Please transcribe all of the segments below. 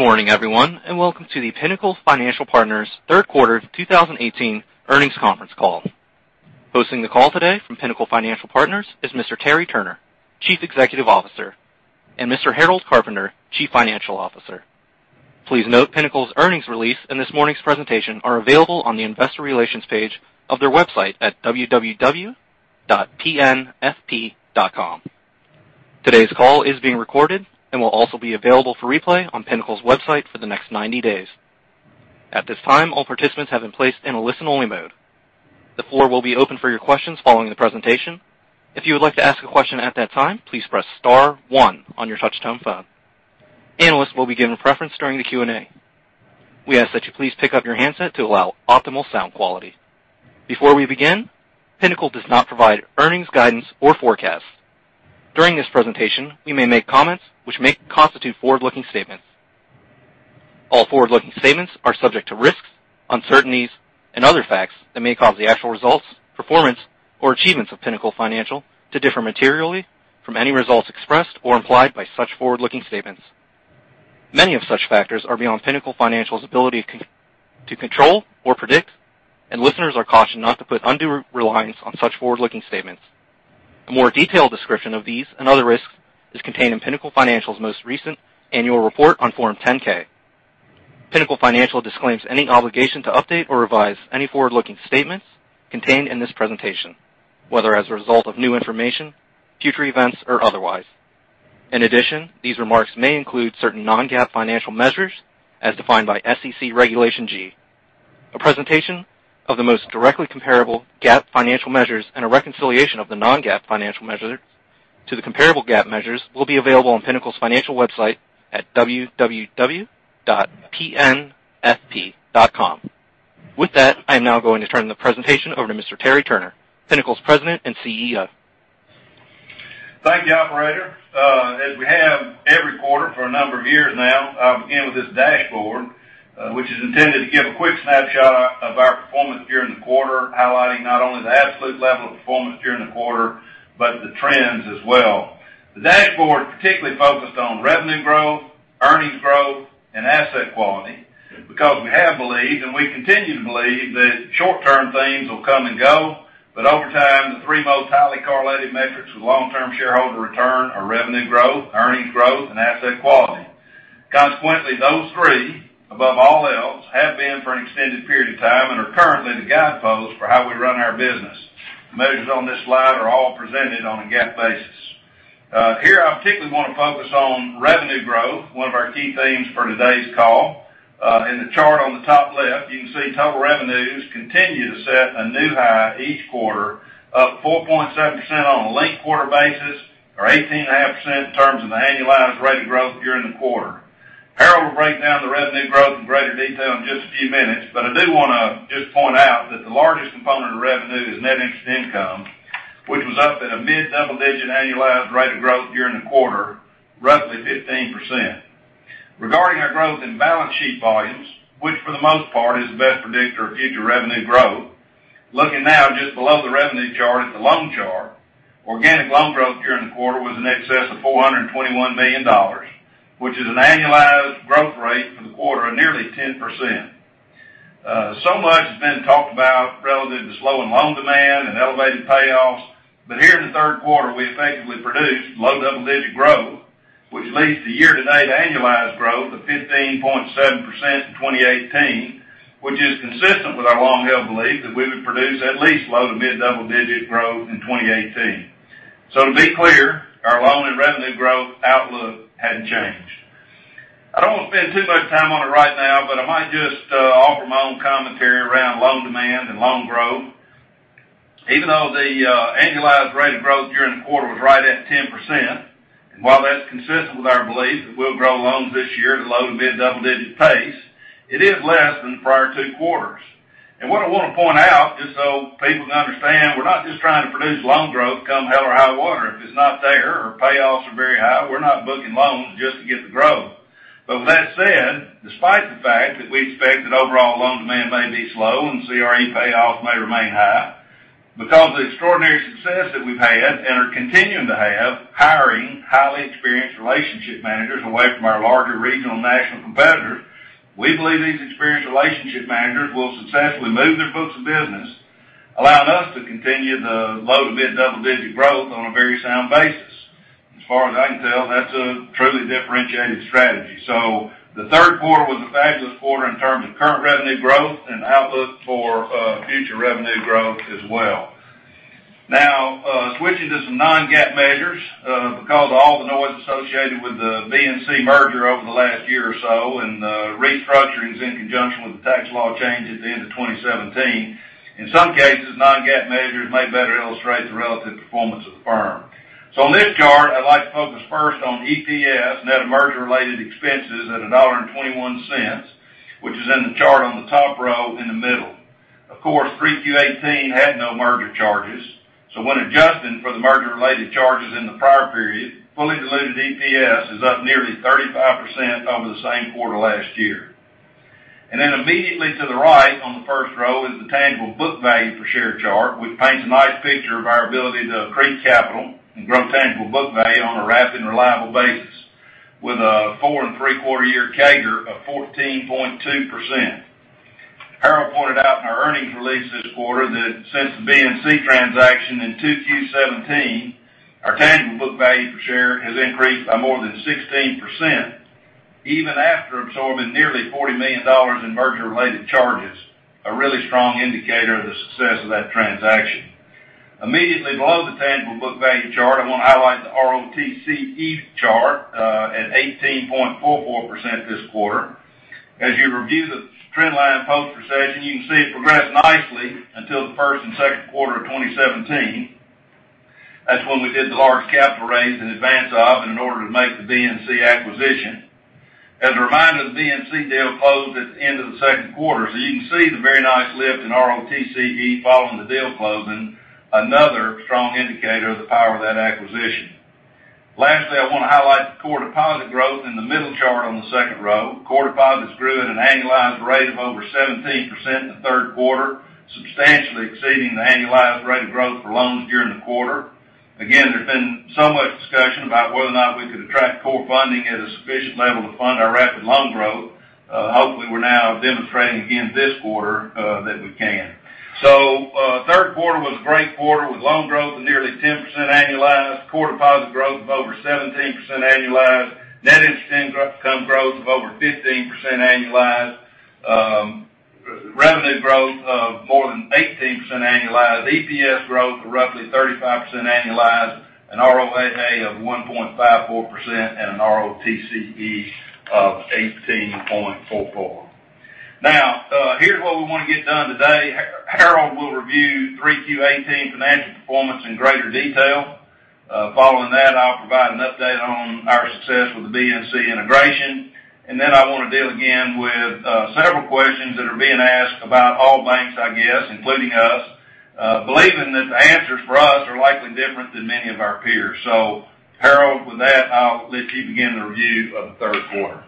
Good morning, everyone, and welcome to the Pinnacle Financial Partners third quarter 2018 earnings conference call. Hosting the call today from Pinnacle Financial Partners is Mr. Terry Turner, Chief Executive Officer, and Mr. Harold Carpenter, Chief Financial Officer. Please note Pinnacle's earnings release and this morning's presentation are available on the investor relations page of their website at www.pnfp.com. Today's call is being recorded and will also be available for replay on Pinnacle's website for the next 90 days. At this time, all participants have been placed in a listen-only mode. The floor will be open for your questions following the presentation. If you would like to ask a question at that time, please press star one on your touch-tone phone. Analysts will be given preference during the Q&A. We ask that you please pick up your handset to allow optimal sound quality. Before we begin, Pinnacle does not provide earnings guidance or forecasts. During this presentation, we may make comments which may constitute forward-looking statements. All forward-looking statements are subject to risks, uncertainties, and other facts that may cause the actual results, performance, or achievements of Pinnacle Financial to differ materially from any results expressed or implied by such forward-looking statements. Many of such factors are beyond Pinnacle Financial's ability to control or predict, and listeners are cautioned not to put undue reliance on such forward-looking statements. A more detailed description of these and other risks is contained in Pinnacle Financial's most recent annual report on Form 10-K. Pinnacle Financial disclaims any obligation to update or revise any forward-looking statements contained in this presentation, whether as a result of new information, future events, or otherwise. In addition, these remarks may include certain non-GAAP financial measures as defined by SEC Regulation G. A presentation of the most directly comparable GAAP financial measures and a reconciliation of the non-GAAP financial measures to the comparable GAAP measures will be available on Pinnacle's Financial website at www.pnfp.com. With that, I'm now going to turn the presentation over to Mr. Terry Turner, Pinnacle's President and CEO. Thank you, operator. As we have every quarter for a number of years now, I'll begin with this dashboard, which is intended to give a quick snapshot of our performance during the quarter, highlighting not only the absolute level of performance during the quarter, but the trends as well. The dashboard particularly focused on revenue growth, earnings growth, and asset quality because we have believed, and we continue to believe that short-term themes will come and go, but over time, the three most highly correlated metrics with long-term shareholder return are revenue growth, earnings growth, and asset quality. Consequently, those three, above all else, have been for an extended period of time and are currently the guidepost for how we run our business. Measures on this slide are all presented on a GAAP basis. Here, I particularly want to focus on revenue growth, one of our key themes for today's call. In the chart on the top left, you can see total revenues continue to set a new high each quarter, up 4.7% on a linked quarter basis, or 18.5% in terms of the annualized rate of growth during the quarter. Harold will break down the revenue growth in greater detail in just a few minutes, but I do want to just point out that the largest component of revenue is net interest income, which was up at a mid-double digit annualized rate of growth during the quarter, roughly 15%. Regarding our growth in balance sheet volumes, which for the most part is the best predictor of future revenue growth, looking now just below the revenue chart at the loan chart, organic loan growth during the quarter was in excess of $421 million, which is an annualized growth rate for the quarter of nearly 10%. Much has been talked about relative to slowing loan demand and elevated payoffs, here in the third quarter, we effectively produced low double-digit growth, which leads to year-to-date annualized growth of 15.7% in 2018, which is consistent with our long-held belief that we would produce at least low- to mid-double digit growth in 2018. To be clear, our loan and revenue growth outlook hadn't changed. I don't want to spend too much time on it right now, but I might just offer my own commentary around loan demand and loan growth. Even though the annualized rate of growth during the quarter was right at 10%, and while that's consistent with our belief that we'll grow loans this year at a low- to mid-double digit pace, it is less than the prior two quarters. What I want to point out, just so people can understand, we're not just trying to produce loan growth come hell or high water. If it's not there or payoffs are very high, we're not booking loans just to get the growth. With that said, despite the fact that we expect that overall loan demand may be slow and CRE payoffs may remain high, because of the extraordinary success that we've had, and are continuing to have, hiring highly experienced relationship managers away from our larger regional national competitors, we believe these experienced relationship managers will successfully move their books of business, allowing us to continue the low- to mid-double digit growth on a very sound basis. As far as I can tell, that's a truly differentiated strategy. The third quarter was a fabulous quarter in terms of current revenue growth and outlook for future revenue growth as well. Switching to some non-GAAP measures, because of all the noise associated with the BNC merger over the last year or so and the restructurings in conjunction with the tax law change at the end of 2017, in some cases, non-GAAP measures may better illustrate the relative performance of the firm. On this chart, I'd like to focus first on EPS, net of merger-related expenses at $1.21, which is in the chart on the top row in the middle. Of course, 3Q18 had no merger charges, when adjusting for the merger-related charges in the prior period, fully diluted EPS is up nearly 35% over the same quarter last year. Immediately to the right on the first row is the tangible book value per share chart, which paints a nice picture of our ability to accrete capital and grow tangible book value on a rapid and reliable basis with a four and three-quarter year CAGR of 14.2%. Harold pointed out in our earnings release this quarter that since the BNC transaction in 2Q17, our tangible book value per share has increased by more than 16%, even after absorbing nearly $40 million in merger-related charges, a really strong indicator of the success of that transaction. Immediately below the tangible book value chart, I want to highlight the ROTCE chart at 18.44% this quarter. As you review the trendline post-recession, you can see it progressed nicely until the first and second quarter of 2017. That's when we did the large capital raise in advance of, and in order to make the BNC acquisition. As a reminder, the BNC deal closed at the end of the second quarter, you can see the very nice lift in ROTCE following the deal closing, another strong indicator of the power of that acquisition. Lastly, I want to highlight the core deposit growth in the middle chart on the second row. Core deposits grew at an annualized rate of over 17% in the third quarter, substantially exceeding the annualized rate of growth for loans during the quarter. There's been so much discussion about whether or not we could attract core funding at a sufficient level to fund our rapid loan growth. Hopefully, we're now demonstrating again this quarter that we can. Third quarter was a great quarter with loan growth of nearly 10% annualized, core deposit growth of over 17% annualized, net interest income growth of over 15% annualized, revenue growth of more than 18% annualized, EPS growth of roughly 35% annualized, an ROAA of 1.54%, and an ROTCE of 18.44%. Here's what we want to get done today. Harold will review 3Q18 financial performance in greater detail. Following that, I'll provide an update on our success with the BNC integration, I want to deal again with several questions that are being asked about all banks, I guess, including us, believing that the answers for us are likely different than many of our peers. Harold, with that, I'll let you begin the review of the third quarter.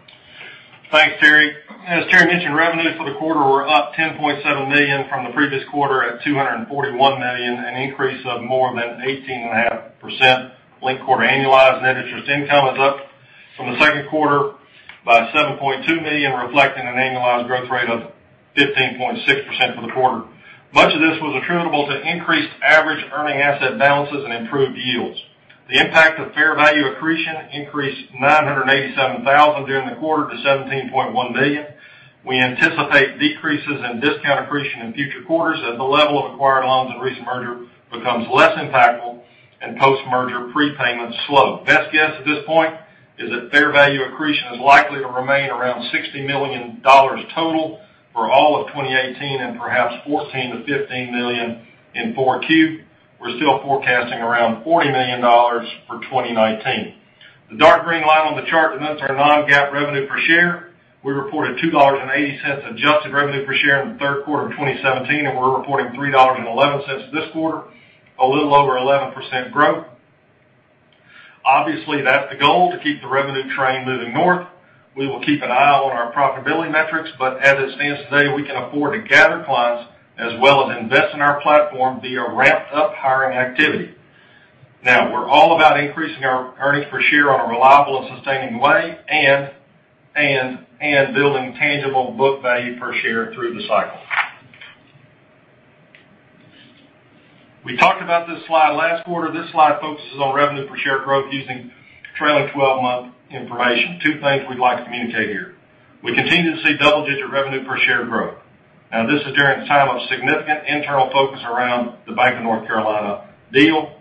Thanks, Terry. As Terry mentioned, revenues for the quarter were up $10.7 million from the previous quarter at $241 million, an increase of more than 18.5% linked quarter annualized. Net interest income was up from the second quarter by $7.2 million, reflecting an annualized growth rate of 15.6% for the quarter. Much of this was attributable to increased average earning asset balances and improved yields. The impact of fair value accretion increased $987,000 during the quarter to $17.1 million. We anticipate decreases in discount accretion in future quarters as the level of acquired loans and recent merger becomes less impactful and post-merger prepayments slow. Best guess at this point is that fair value accretion is likely to remain around $60 million total for all of 2018 and perhaps $14 million-$15 million in 4Q. We're still forecasting around $40 million for 2019. The dark green line on the chart denotes our non-GAAP revenue per share. We reported $2.80 adjusted revenue per share in the third quarter of 2017, and we're reporting $3.11 this quarter, a little over 11% growth. Obviously, that's the goal, to keep the revenue train moving north. We will keep an eye on our profitability metrics, but as it stands today, we can afford to gather clients as well as invest in our platform via ramped-up hiring activity. We're all about increasing our earnings per share on a reliable and sustaining way and building tangible book value per share through the cycle. We talked about this slide last quarter. This slide focuses on revenue per share growth using trailing 12-month information. Two things we'd like to communicate here. We continue to see double-digit revenue per share growth. This is during a time of significant internal focus around the Bank of North Carolina deal,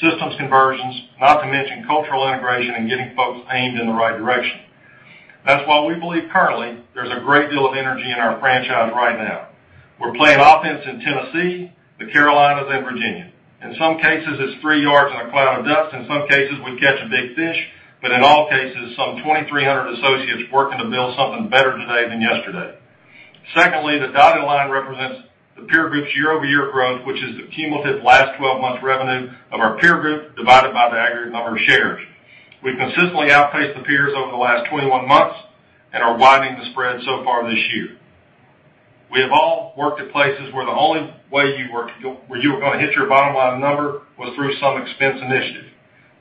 systems conversions, not to mention cultural integration and getting folks aimed in the right direction. That's why we believe currently there's a great deal of energy in our franchise right now. We're playing offense in Tennessee, the Carolinas, and Virginia. In some cases, it's three yards and a cloud of dust. In some cases, we catch a big fish. But in all cases, some 2,300 associates working to build something better today than yesterday. Secondly, the dotted line represents the peer group's year-over-year growth, which is the cumulative last 12 months revenue of our peer group divided by the aggregate number of shares. We've consistently outpaced the peers over the last 21 months and are widening the spread so far this year. We have all worked at places where the only way you were going to hit your bottom line number was through some expense initiative.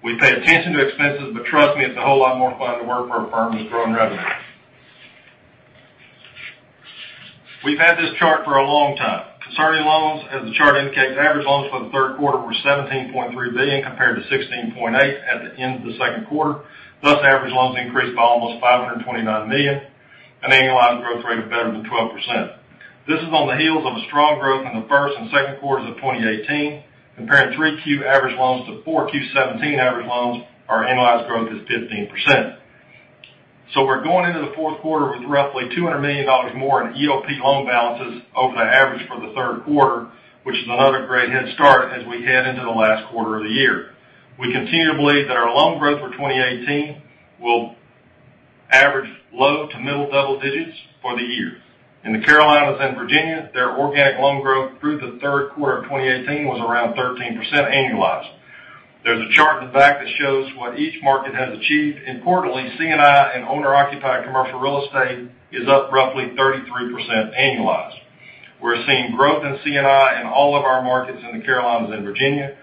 We pay attention to expenses, but trust me, it's a whole lot more fun to work for a firm that's growing revenue. We've had this chart for a long time. Concerning loans, as the chart indicates, average loans for the third quarter were $17.3 billion compared to $16.8 billion at the end of the second quarter. Thus, average loans increased by almost $529 million, an annualized growth rate of better than 12%. This is on the heels of a strong growth in the first and second quarters of 2018. Comparing 3Q average loans to 4Q17 average loans, our annualized growth is 15%. We're going into the fourth quarter with roughly $200 million more in EOP loan balances over the average for the third quarter, which is another great head start as we head into the last quarter of the year. We continue to believe that our loan growth for 2018 will average low to middle double digits for the year. In the Carolinas and Virginia, their organic loan growth through the third quarter of 2018 was around 13% annualized. There's a chart in the back that shows what each market has achieved. Importantly, C&I and owner-occupied commercial real estate is up roughly 33% annualized. We're seeing growth in C&I in all of our markets in the Carolinas and Virginia.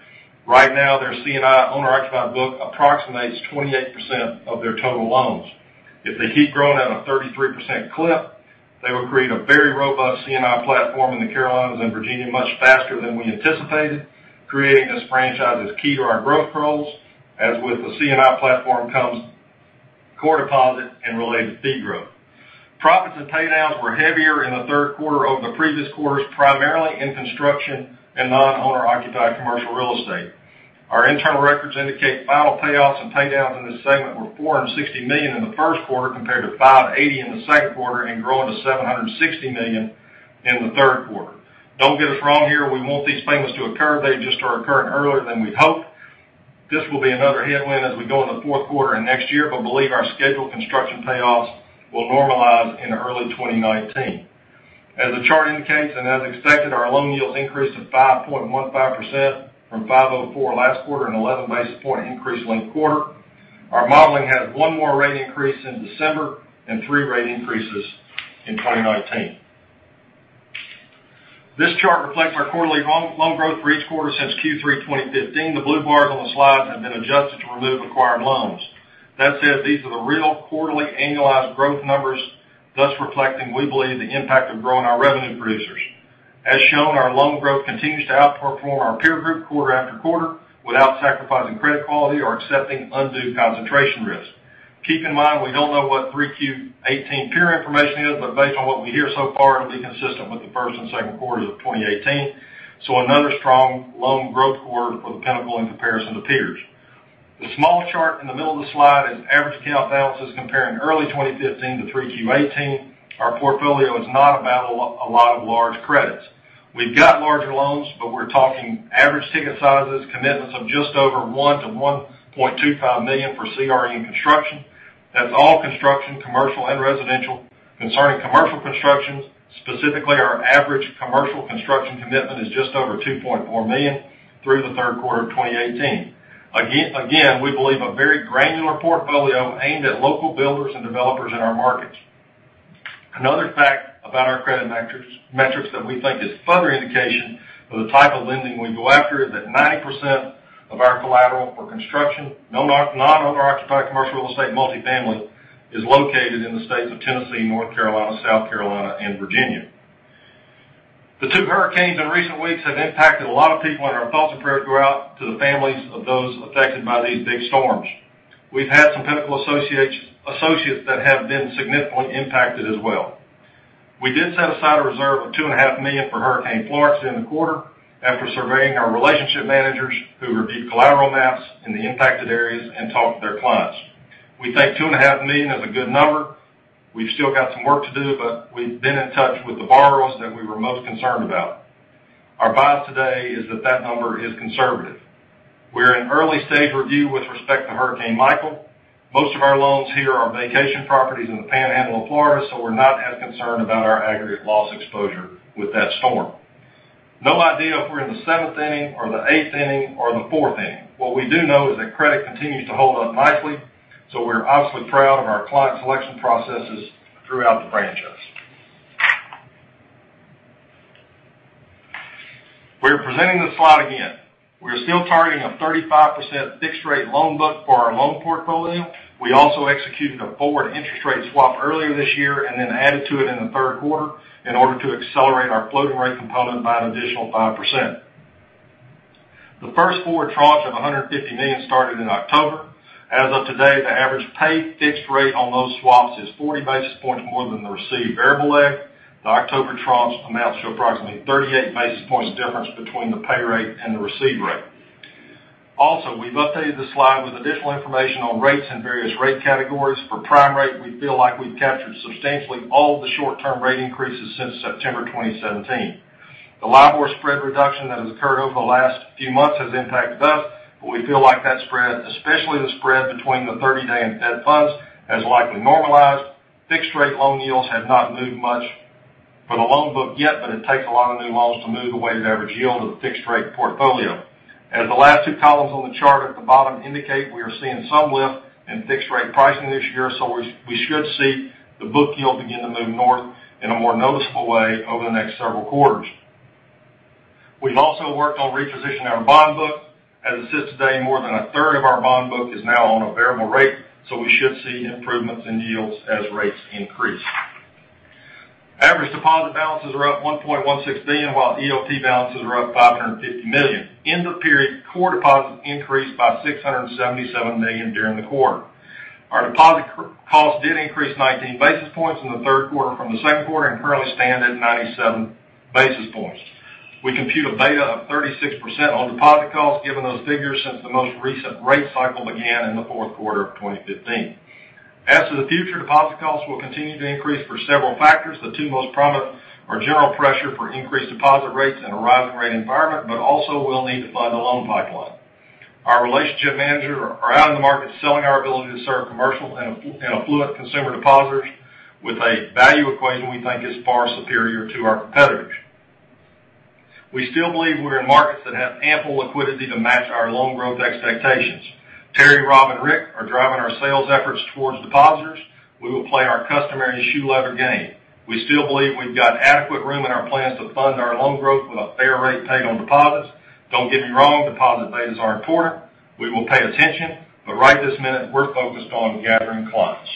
Right now, their C&I owner-occupied book approximates 28% of their total loans. If they keep growing at a 33% clip, they will create a very robust C&I platform in the Carolinas and Virginia much faster than we anticipated, creating this franchise is key to our growth goals, as with the C&I platform comes core deposit and related fee growth. Profits and paydowns were heavier in the third quarter over the previous quarters, primarily in construction and non-owner-occupied commercial real estate. Our internal records indicate final payoffs and paydowns in this segment were $460 million in the first quarter, compared to $580 in the second quarter, and growing to $760 million in the third quarter. Don't get us wrong here, we want these payments to occur, they just are occurring earlier than we'd hoped. This will be another headwind as we go into the fourth quarter and next year, but believe our scheduled construction payoffs will normalize in early 2019. As the chart indicates, as expected, our loan yields increased to 5.15% from 5.04% last quarter, an 11 basis point increase linked quarter. Our modeling has one more rate increase in December and three rate increases in 2019. This chart reflects our quarterly loan growth for each quarter since Q3 2015. The blue bars on the slide have been adjusted to remove acquired loans. That said, these are the real quarterly annualized growth numbers, thus reflecting, we believe, the impact of growing our revenue producers. As shown, our loan growth continues to outperform our peer group quarter after quarter without sacrificing credit quality or accepting undue concentration risk. Keep in mind, we don't know what 3Q18 peer information is, but based on what we hear so far, it'll be consistent with the first and second quarters of 2018. Another strong loan growth quarter for the Pinnacle in comparison to peers. The small chart in the middle of the slide is average account balances comparing early 2015 to 3Q18. Our portfolio is not about a lot of large credits. We've got larger loans, but we're talking average ticket sizes, commitments of just over one to $1.25 million for CRE in construction. That's all construction, commercial and residential. Concerning commercial constructions, specifically our average commercial construction commitment is just over $2.4 million through the third quarter of 2018. Again, we believe a very granular portfolio aimed at local builders and developers in our markets. Another fact about our credit metrics that we think is further indication of the type of lending we go after is that 90% of our collateral for construction, non-owner-occupied commercial real estate, multifamily, is located in the states of Tennessee, North Carolina, South Carolina and Virginia. The two hurricanes in recent weeks have impacted a lot of people, and our thoughts and prayers go out to the families of those affected by these big storms. We've had some Pinnacle associates that have been significantly impacted as well. We did set aside a reserve of $2.5 million for Hurricane Florence in the quarter after surveying our relationship managers, who reviewed collateral maps in the impacted areas and talked to their clients. We think $2.5 million is a good number. We've still got some work to do, but we've been in touch with the borrowers that we were most concerned about. Our vibe today is that that number is conservative. We're in early stage review with respect to Hurricane Michael. Most of our loans here are vacation properties in the Panhandle of Florida, so we're not as concerned about our aggregate loss exposure with that storm. No idea if we're in the seventh inning or the eighth inning or the fourth inning. What we do know is that credit continues to hold up nicely, so we're obviously proud of our client selection processes throughout the franchise. We're presenting this slide again. We're still targeting a 35% fixed rate loan book for our loan portfolio. We also executed a forward interest rate swap earlier this year and then added to it in the third quarter in order to accelerate our floating rate component by an additional 5%. The first four tranches of $150 million started in October. As of today, the average paid fixed rate on those swaps is 40 basis points more than the received variable leg. The October tranches amounts to approximately 38 basis points difference between the pay rate and the receive rate. We've updated this slide with additional information on rates and various rate categories. For prime rate, we feel like we've captured substantially all of the short-term rate increases since September 2017. The LIBOR spread reduction that has occurred over the last few months has impacted us, but we feel like that spread, especially the spread between the 30-day and fed funds, has likely normalized. Fixed rate loan yields have not moved much for the loan book yet, but it takes a lot of new loans to move the weighted average yield of the fixed rate portfolio. As the last two columns on the chart at the bottom indicate, we are seeing some lift in fixed rate pricing this year, so we should see the book yield begin to move north in a more noticeable way over the next several quarters. We've also worked on repositioning our bond book. As it sits today, more than a third of our bond book is now on a variable rate, so we should see improvements in yields as rates increase. Average deposit balances are up $1.16 billion, while ELT balances are up $550 million. In the period, core deposits increased by $677 million during the quarter. Our deposit cost did increase 19 basis points in the third quarter from the second quarter, and currently stand at 97 basis points. We compute a beta of 36% on deposit costs given those figures since the most recent rate cycle began in the fourth quarter of 2015. As to the future, deposit costs will continue to increase for several factors. The two most prominent are general pressure for increased deposit rates in a rising rate environment, but also we'll need to fund the loan pipeline. Our relationship managers are out in the market selling our ability to serve commercial and affluent consumer depositors with a value equation we think is far superior to our competitors. We still believe we're in markets that have ample liquidity to match our loan growth expectations. Terry, Rob, and Rick are driving our sales efforts towards depositors. We will play our customary shoe leather game. We still believe we've got adequate room in our plans to fund our loan growth with a fair rate paid on deposits. Don't get me wrong, deposit betas are important. We will pay attention, but right this minute, we're focused on gathering clients.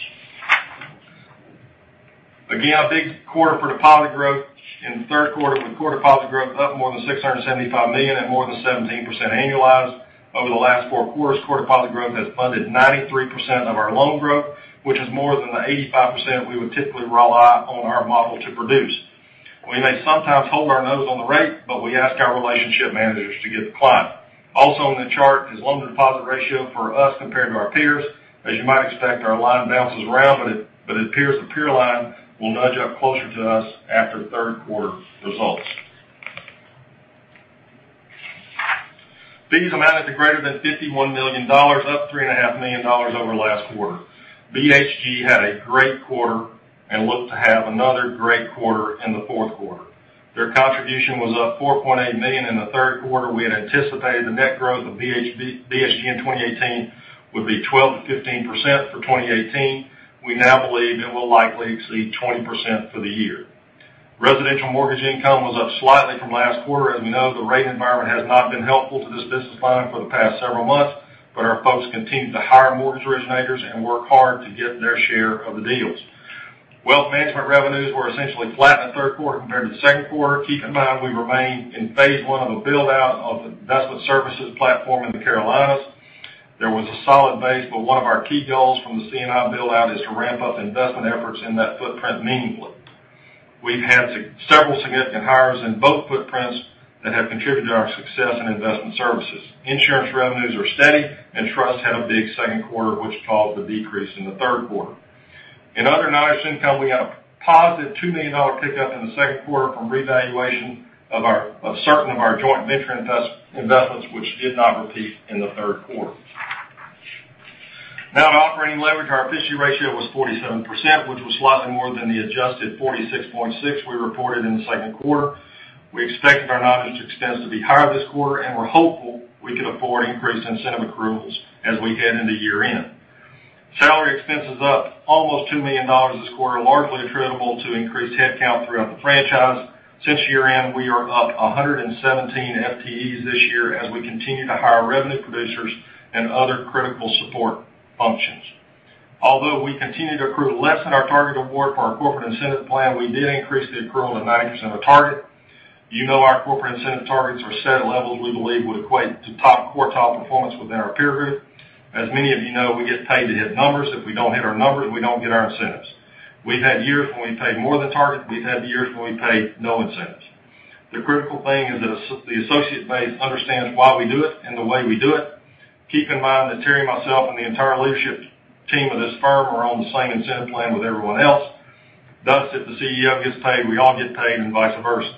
Again, a big quarter for deposit growth in the third quarter with core deposit growth up more than $675 million and more than 17% annualized over the last four quarters. Core deposit growth has funded 93% of our loan growth, which is more than the 85% we would typically rely on our model to produce. We may sometimes hold our nose on the rate, but we ask our relationship managers to get the client. Also on the chart is loan-to-deposit ratio for us compared to our peers. As you might expect, our line bounces around, but it appears the peer line will nudge up closer to us after the third quarter results. Fees amounted to greater than $51 million, up $3.5 million over last quarter. BHG had a great quarter and looked to have another great quarter in the fourth quarter. Their contribution was up $4.8 million in the third quarter. We had anticipated the net growth of BHG in 2018 would be 12%-15% for 2018. We now believe it will likely exceed 20% for the year. Residential mortgage income was up slightly from last quarter. As we know, the rate environment has not been helpful to this business line for the past several months, but our folks continued to hire mortgage originators and work hard to get their share of the deals. Wealth management revenues were essentially flat in the third quarter compared to the second quarter. Keep in mind, we remain in phase one of the build-out of the investment services platform in the Carolinas. There was a solid base, but one of our key goals from the C&I build-out is to ramp up investment efforts in that footprint meaningfully. We've had several significant hires in both footprints that have contributed to our success in investment services. Insurance revenues are steady, and trust had a big second quarter, which caused the decrease in the third quarter. In other non-interest income, we had a positive $2 million pickup in the second quarter from revaluation of certain of our joint venture investments, which did not repeat in the third quarter. Now to operating leverage. Our efficiency ratio was 47%, which was slightly more than the adjusted 46.6% we reported in the second quarter. We expected our non-interest expense to be higher this quarter, and we're hopeful we can afford increased incentive accruals as we head into year-end. Salary expense is up almost $2 million this quarter, largely attributable to increased headcount throughout the franchise. Since year-end, we are up 117 FTEs this year as we continue to hire revenue producers and other critical support functions. Although we continue to accrue less than our target award for our corporate incentive plan, we did increase the accrual to 90% of target. You know our corporate incentive targets are set at levels we believe would equate to top quartile performance within our peer group. As many of you know, we get paid to hit numbers. If we don't hit our numbers, we don't get our incentives. We've had years when we've paid more than target, and we've had years when we've paid no incentives. The critical thing is the associate base understands why we do it and the way we do it. Keep in mind that Terry, myself, and the entire leadership team of this firm are on the same incentive plan with everyone else. If the CEO gets paid, we all get paid, and vice versa.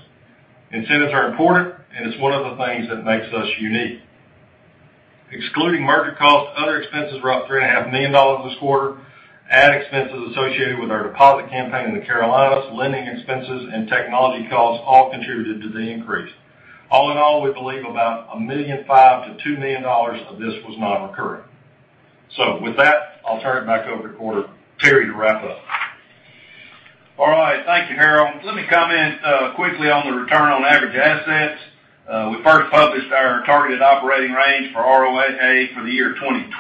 Incentives are important, it's one of the things that makes us unique. Excluding merger costs, other expenses were up $3.5 million this quarter. Ad expenses associated with our deposit campaign in the Carolinas, lending expenses, and technology costs all contributed to the increase. All in all, we believe about $1.5 million to $2 million of this was non-recurring. With that, I'll turn it back over to Terry to wrap up. All right. Thank you, Harold. Let me comment quickly on the return on average assets. We first published our targeted operating range for ROAA for the year 2012.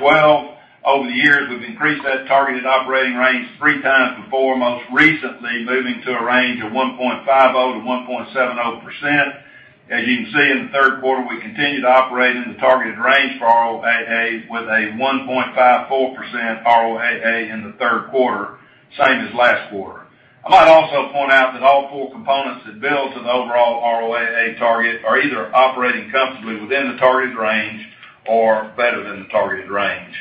Over the years, we've increased that targeted operating range three times before, most recently moving to a range of 1.50%-1.70%. As you can see, in the third quarter, we continued to operate in the targeted range for ROAA with a 1.54% ROAA in the third quarter, same as last quarter. I might also point out that all four components that build to the overall ROAA target are either operating comfortably within the targeted range or better than the targeted range.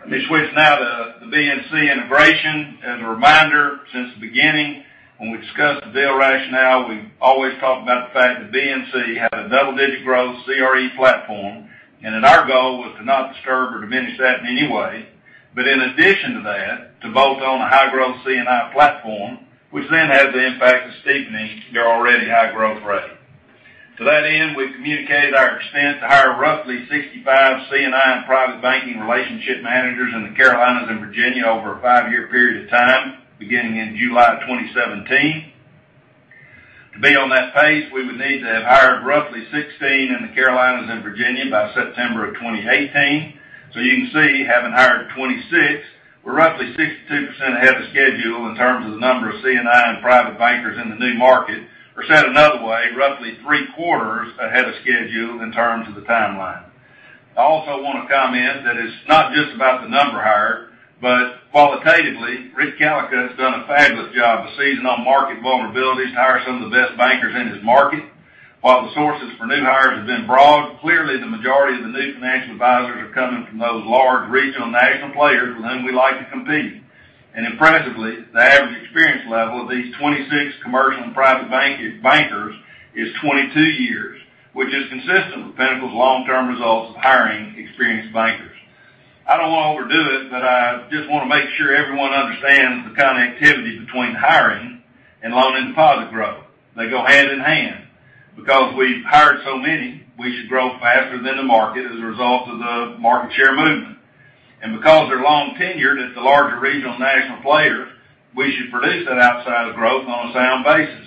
Let me switch now to the BNC integration. As a reminder, since the beginning, when we discussed the deal rationale, we've always talked about the fact that BNC had a double-digit growth CRE platform, that our goal was to not disturb or diminish that in any way. In addition to that, to bolt on a high-growth C&I platform, which then has the impact of steepening their already high growth rate. To that end, we've communicated our intent to hire roughly 65 C&I and private banking relationship managers in the Carolinas and Virginia over a five-year period of time, beginning in July of 2017. To be on that pace, we would need to have hired roughly 16 in the Carolinas and Virginia by September of 2018. You can see, having hired 26, we're roughly 62% ahead of schedule in terms of the number of C&I and private bankers in the new market, or said another way, roughly three-quarters ahead of schedule in terms of the timeline. I also want to comment that it's not just about the number hired, but qualitatively, Rick Callicutt has done a fabulous job of seizing on market vulnerabilities to hire some of the best bankers in his market. While the sources for new hires have been broad, clearly the majority of the new financial advisors are coming from those large regional national players with whom we like to compete. Impressively, the average experience level of these 26 commercial and private bankers is 22 years, which is consistent with Pinnacle's long-term results of hiring experienced bankers. I don't want to overdo it. I want to make sure everyone understands the connectivity between hiring and loan and deposit growth. They go hand in hand. We've hired so many, we should grow faster than the market as a result of the market share movement. Because they're long tenured at the larger regional national player, we should produce that outsized growth on a sound basis.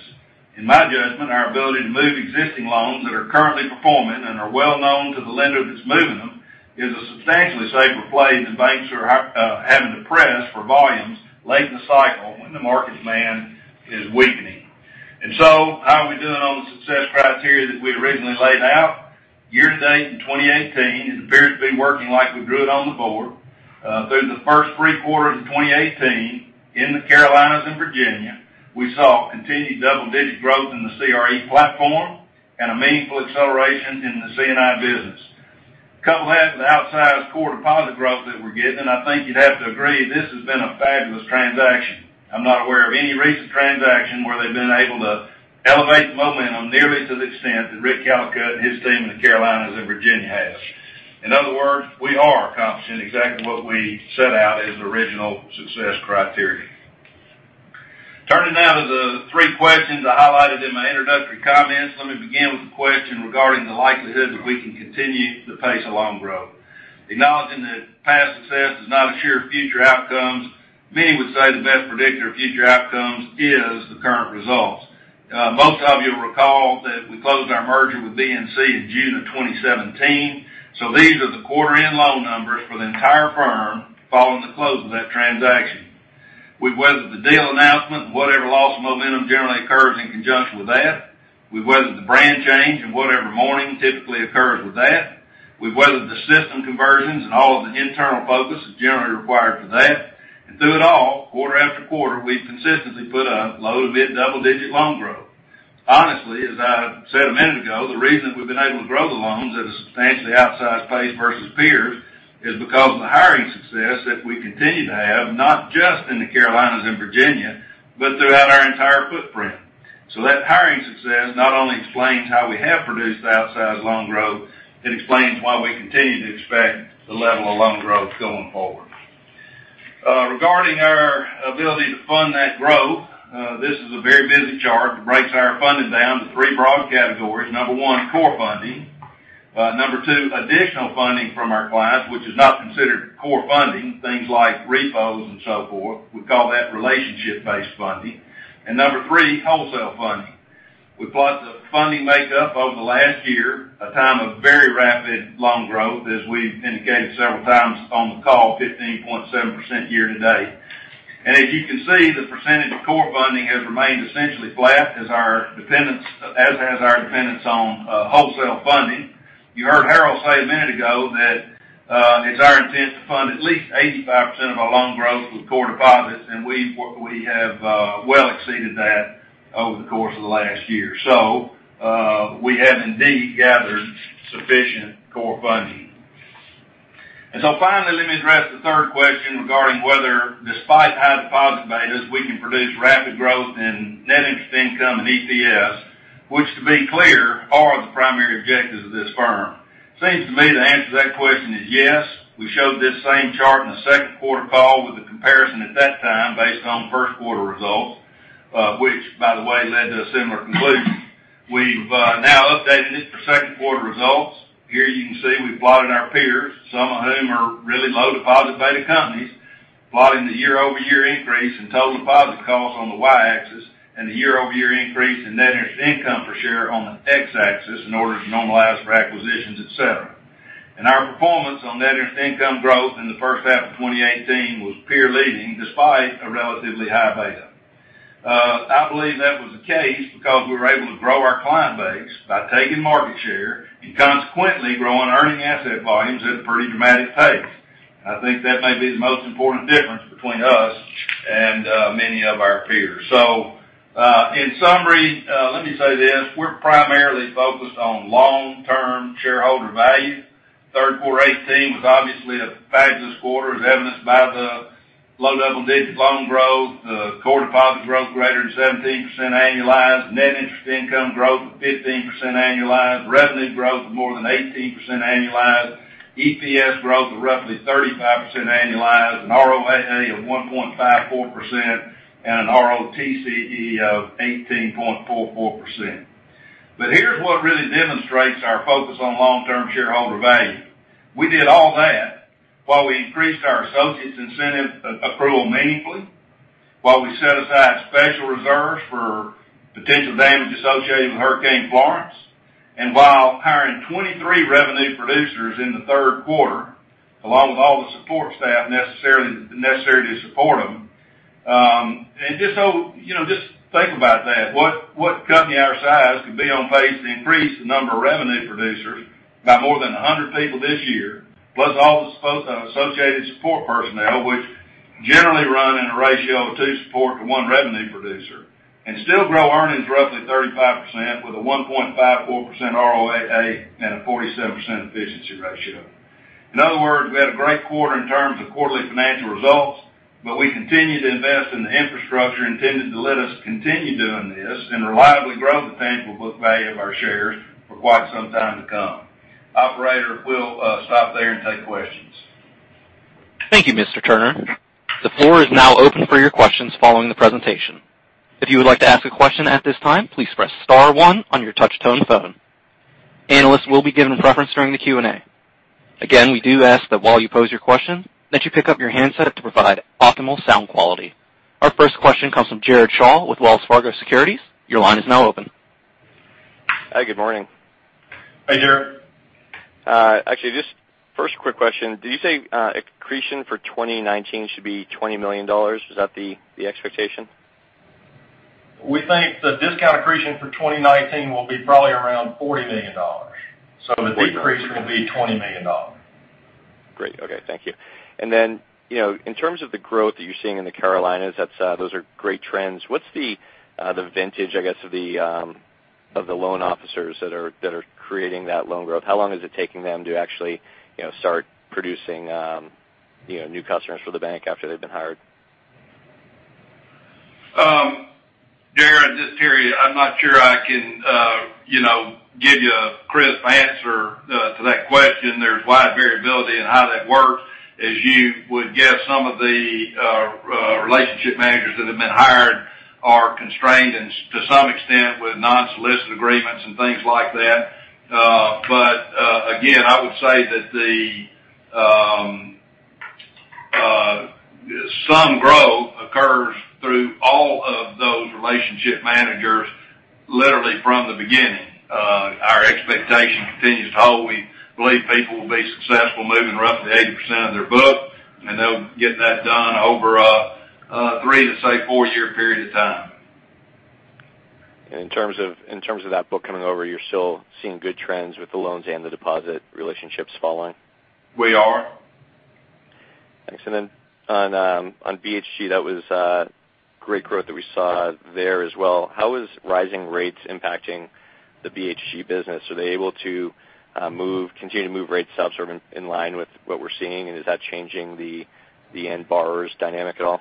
In my judgment, our ability to move existing loans that are currently performing and are well known to the lender that's moving them, is a substantially safer play than banks who are having to press for volumes late in the cycle when the market demand is weakening. How are we doing on the success criteria that we originally laid out? Year to date in 2018, it appears to be working like we drew it on the board. Through the first three quarters of 2018, in the Carolinas and Virginia, we saw continued double-digit growth in the CRE platform and a meaningful acceleration in the C&I business. Couple that with the outsized core deposit growth that we're getting, and I think you'd have to agree this has been a fabulous transaction. I'm not aware of any recent transaction where they've been able to elevate the momentum nearly to the extent that Rick Callicutt and his team in the Carolinas and Virginia has. In other words, we are accomplishing exactly what we set out as original success criteria. Turning now to the three questions I highlighted in my introductory comments, let me begin with a question regarding the likelihood that we can continue the pace of loan growth. Acknowledging that past success is not a sure future outcomes, many would say the best predictor of future outcomes is the current results. Most of you will recall that we closed our merger with BNC in June of 2017, these are the quarter end loan numbers for the entire firm following the close of that transaction. We've weathered the deal announcement and whatever loss of momentum generally occurs in conjunction with that. We've weathered the brand change and whatever mourning typically occurs with that. We've weathered the system conversions and all of the internal focus that's generally required for that. Through it all, quarter after quarter, we've consistently put up low to mid double digit loan growth. Honestly, as I said a minute ago, the reason we've been able to grow the loans at a substantially outsized pace versus peers is because of the hiring success that we continue to have, not just in the Carolinas and Virginia, but throughout our entire footprint. That hiring success not only explains how we have produced the outsized loan growth, it explains why we continue to expect the level of loan growth going forward. Regarding our ability to fund that growth, this is a very busy chart that breaks our funding down to three broad categories. Number 1, core funding. Number 2, additional funding from our clients, which is not considered core funding, things like repos and so forth. We call that relationship-based funding. Number 3, wholesale funding. We plot the funding makeup over the last year, a time of very rapid loan growth as we've indicated several times on the call, 15.7% year-to-date. As you can see, the percentage of core funding has remained essentially flat, as has our dependence on wholesale funding. You heard Harold say a minute ago that it's our intent to fund at least 85% of our loan growth with core deposits, and we have well exceeded that over the course of the last year. We have indeed gathered sufficient core funding. Finally, let me address the third question regarding whether despite high deposit betas, we can produce rapid growth in net interest income and EPS, which to be clear, are the primary objectives of this firm. Seems to me the answer to that question is yes. We showed this same chart in the second quarter call with the comparison at that time based on first quarter results, which by the way, led to a similar conclusion. We've now updated it for second quarter results. Here you can see we've plotted our peers, some of whom are really low deposit beta companies, plotting the year-over-year increase in total deposit costs on the Y-axis, and the year-over-year increase in net interest income per share on the X-axis in order to normalize for acquisitions, et cetera. Our performance on net interest income growth in the first half of 2018 was peer-leading despite a relatively high beta. I believe that was the case because we were able to grow our client base by taking market share and consequently growing earning asset volumes at a pretty dramatic pace. I think that may be the most important difference between us and many of our peers. In summary, let me say this, we're primarily focused on long-term shareholder value. Third quarter 2018 was obviously a fabulous quarter as evidenced by the low double-digit loan growth, the core deposit growth greater than 17% annualized, net interest income growth of 15% annualized, revenue growth of more than 18% annualized, EPS growth of roughly 35% annualized, an ROAA of 1.54%, and an ROTCE of 18.44%. Here's what really demonstrates our focus on long-term shareholder value. We did all that while we increased our associates' incentive approval meaningfully, while we set aside special reserves for potential damage associated with Hurricane Florence, and while hiring 23 revenue producers in the third quarter, along with all the support staff necessary to support them. Just think about that. What company our size could be on pace to increase the number of revenue producers by more than 100 people this year, plus all the associated support personnel, which generally run in a ratio of two support to one revenue producer, and still grow earnings roughly 35% with a 1.54% ROAA and a 47% efficiency ratio. In other words, we had a great quarter in terms of quarterly financial results, but we continue to invest in the infrastructure intended to let us continue doing this and reliably grow the tangible book value of our shares for quite some time to come. Operator, we will stop there and take questions. Thank you, Mr. Turner. The floor is now open for your questions following the presentation. If you would like to ask a question at this time, please press star one on your touch-tone phone. Analysts will be given preference during the Q&A. Again, we do ask that while you pose your question, that you pick up your handset to provide optimal sound quality. Our first question comes from Jared Shaw with Wells Fargo Securities. Your line is now open. Hi, good morning. Hi, Jared. Actually, just first quick question. Did you say accretion for 2019 should be $20 million? Is that the expectation? We think the discount accretion for 2019 will be probably around $40 million. The decrease will be $20 million. Great. Okay. Thank you. In terms of the growth that you're seeing in the Carolinas, those are great trends. What's the vintage, I guess, of the loan officers that are creating that loan growth? How long is it taking them to actually start producing new customers for the bank after they've been hired? Jared, just to hear you, I'm not sure I can give you a crisp answer to that question. There's wide variability in how that works. As you would guess, some of the relationship managers that have been hired are constrained and to some extent, with non-solicit agreements and things like that. Again, I would say that some growth occurs through all of those relationship managers, literally from the beginning. Our expectation continues to hold. We believe people will be successful moving roughly 80% of their book, and they'll get that done over a three to, say, four-year period of time. In terms of that book coming over, you are still seeing good trends with the loans and the deposit relationships following? We are. Thanks. On BHG, that was great growth that we saw there as well. How is rising rates impacting the BHG business? Are they able to continue to move rates up sort of in line with what we are seeing? Is that changing the end borrower's dynamic at all?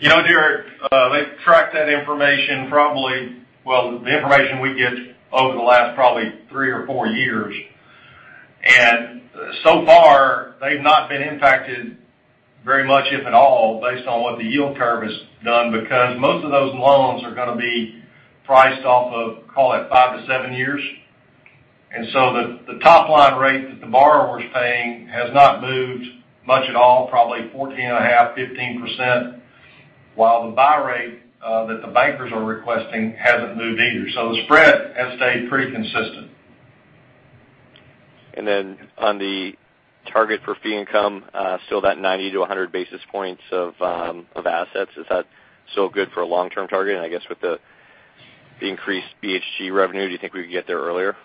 Jared, they have tracked that information probably, well, the information we get over the last probably three or four years. So far, they have not been impacted very much, if at all, based on what the yield curve has done because most of those loans are going to be priced off of, call it five to seven years. The top line rate that the borrower's paying has not moved much at all, probably 14.5%, 15%, while the buy rate that the bankers are requesting has not moved either. The spread has stayed pretty consistent. On the target for fee income, still that 90 to 100 basis points of assets, is that still good for a long-term target? I guess with the increased BHG revenue, do you think we could get there earlier?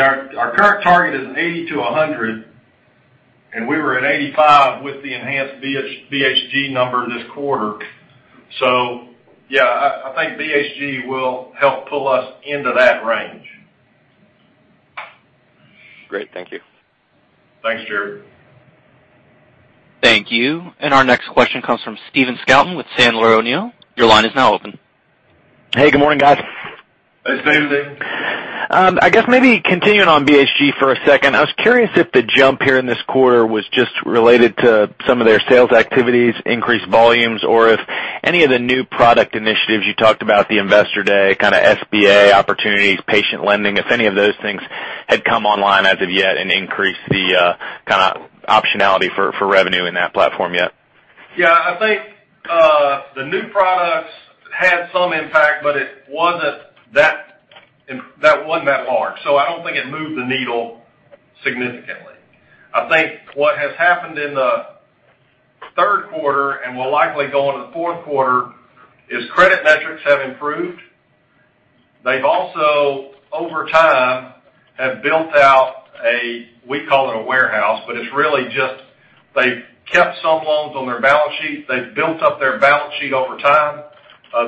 Our current target is an 80 to 100, we were at 85 with the enhanced BHG number this quarter. I think BHG will help pull us into that range. Great. Thank you. Thanks, Jared. Thank you. Our next question comes from Stephen Scouten with Sandler O'Neill. Your line is now open. Hey, good morning, guys. Hey, Stephen. I guess maybe continuing on BHG for a second. I was curious if the jump here in this quarter was just related to some of their sales activities, increased volumes, or if any of the new product initiatives you talked about at the investor day, kind of SBA opportunities, patient lending, if any of those things had come online as of yet and increased the kind of optionality for revenue in that platform yet. Yeah, I think the new products had some impact, but it wasn't that large, so I don't think it moved the needle significantly. I think what has happened in the third quarter and will likely go into the fourth quarter is credit metrics have improved. They've also, over time, have built out a, we call it a warehouse, but it's really just they've kept some loans on their balance sheet. They've built up their balance sheet over time.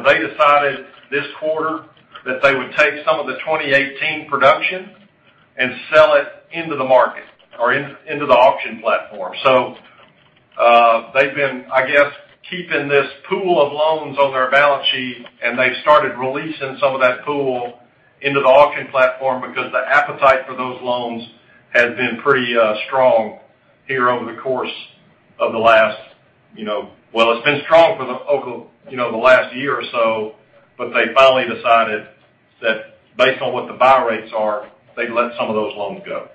They decided this quarter that they would take some of the 2018 production and sell it into the market, or into the auction platform. They've been, I guess, keeping this pool of loans on their balance sheet, and they've started releasing some of that pool into the auction platform because the appetite for those loans has been pretty strong here over the course of the last, well, it's been strong over the last year or so, but they finally decided that based on what the buy rates are, they'd let some of those loans go.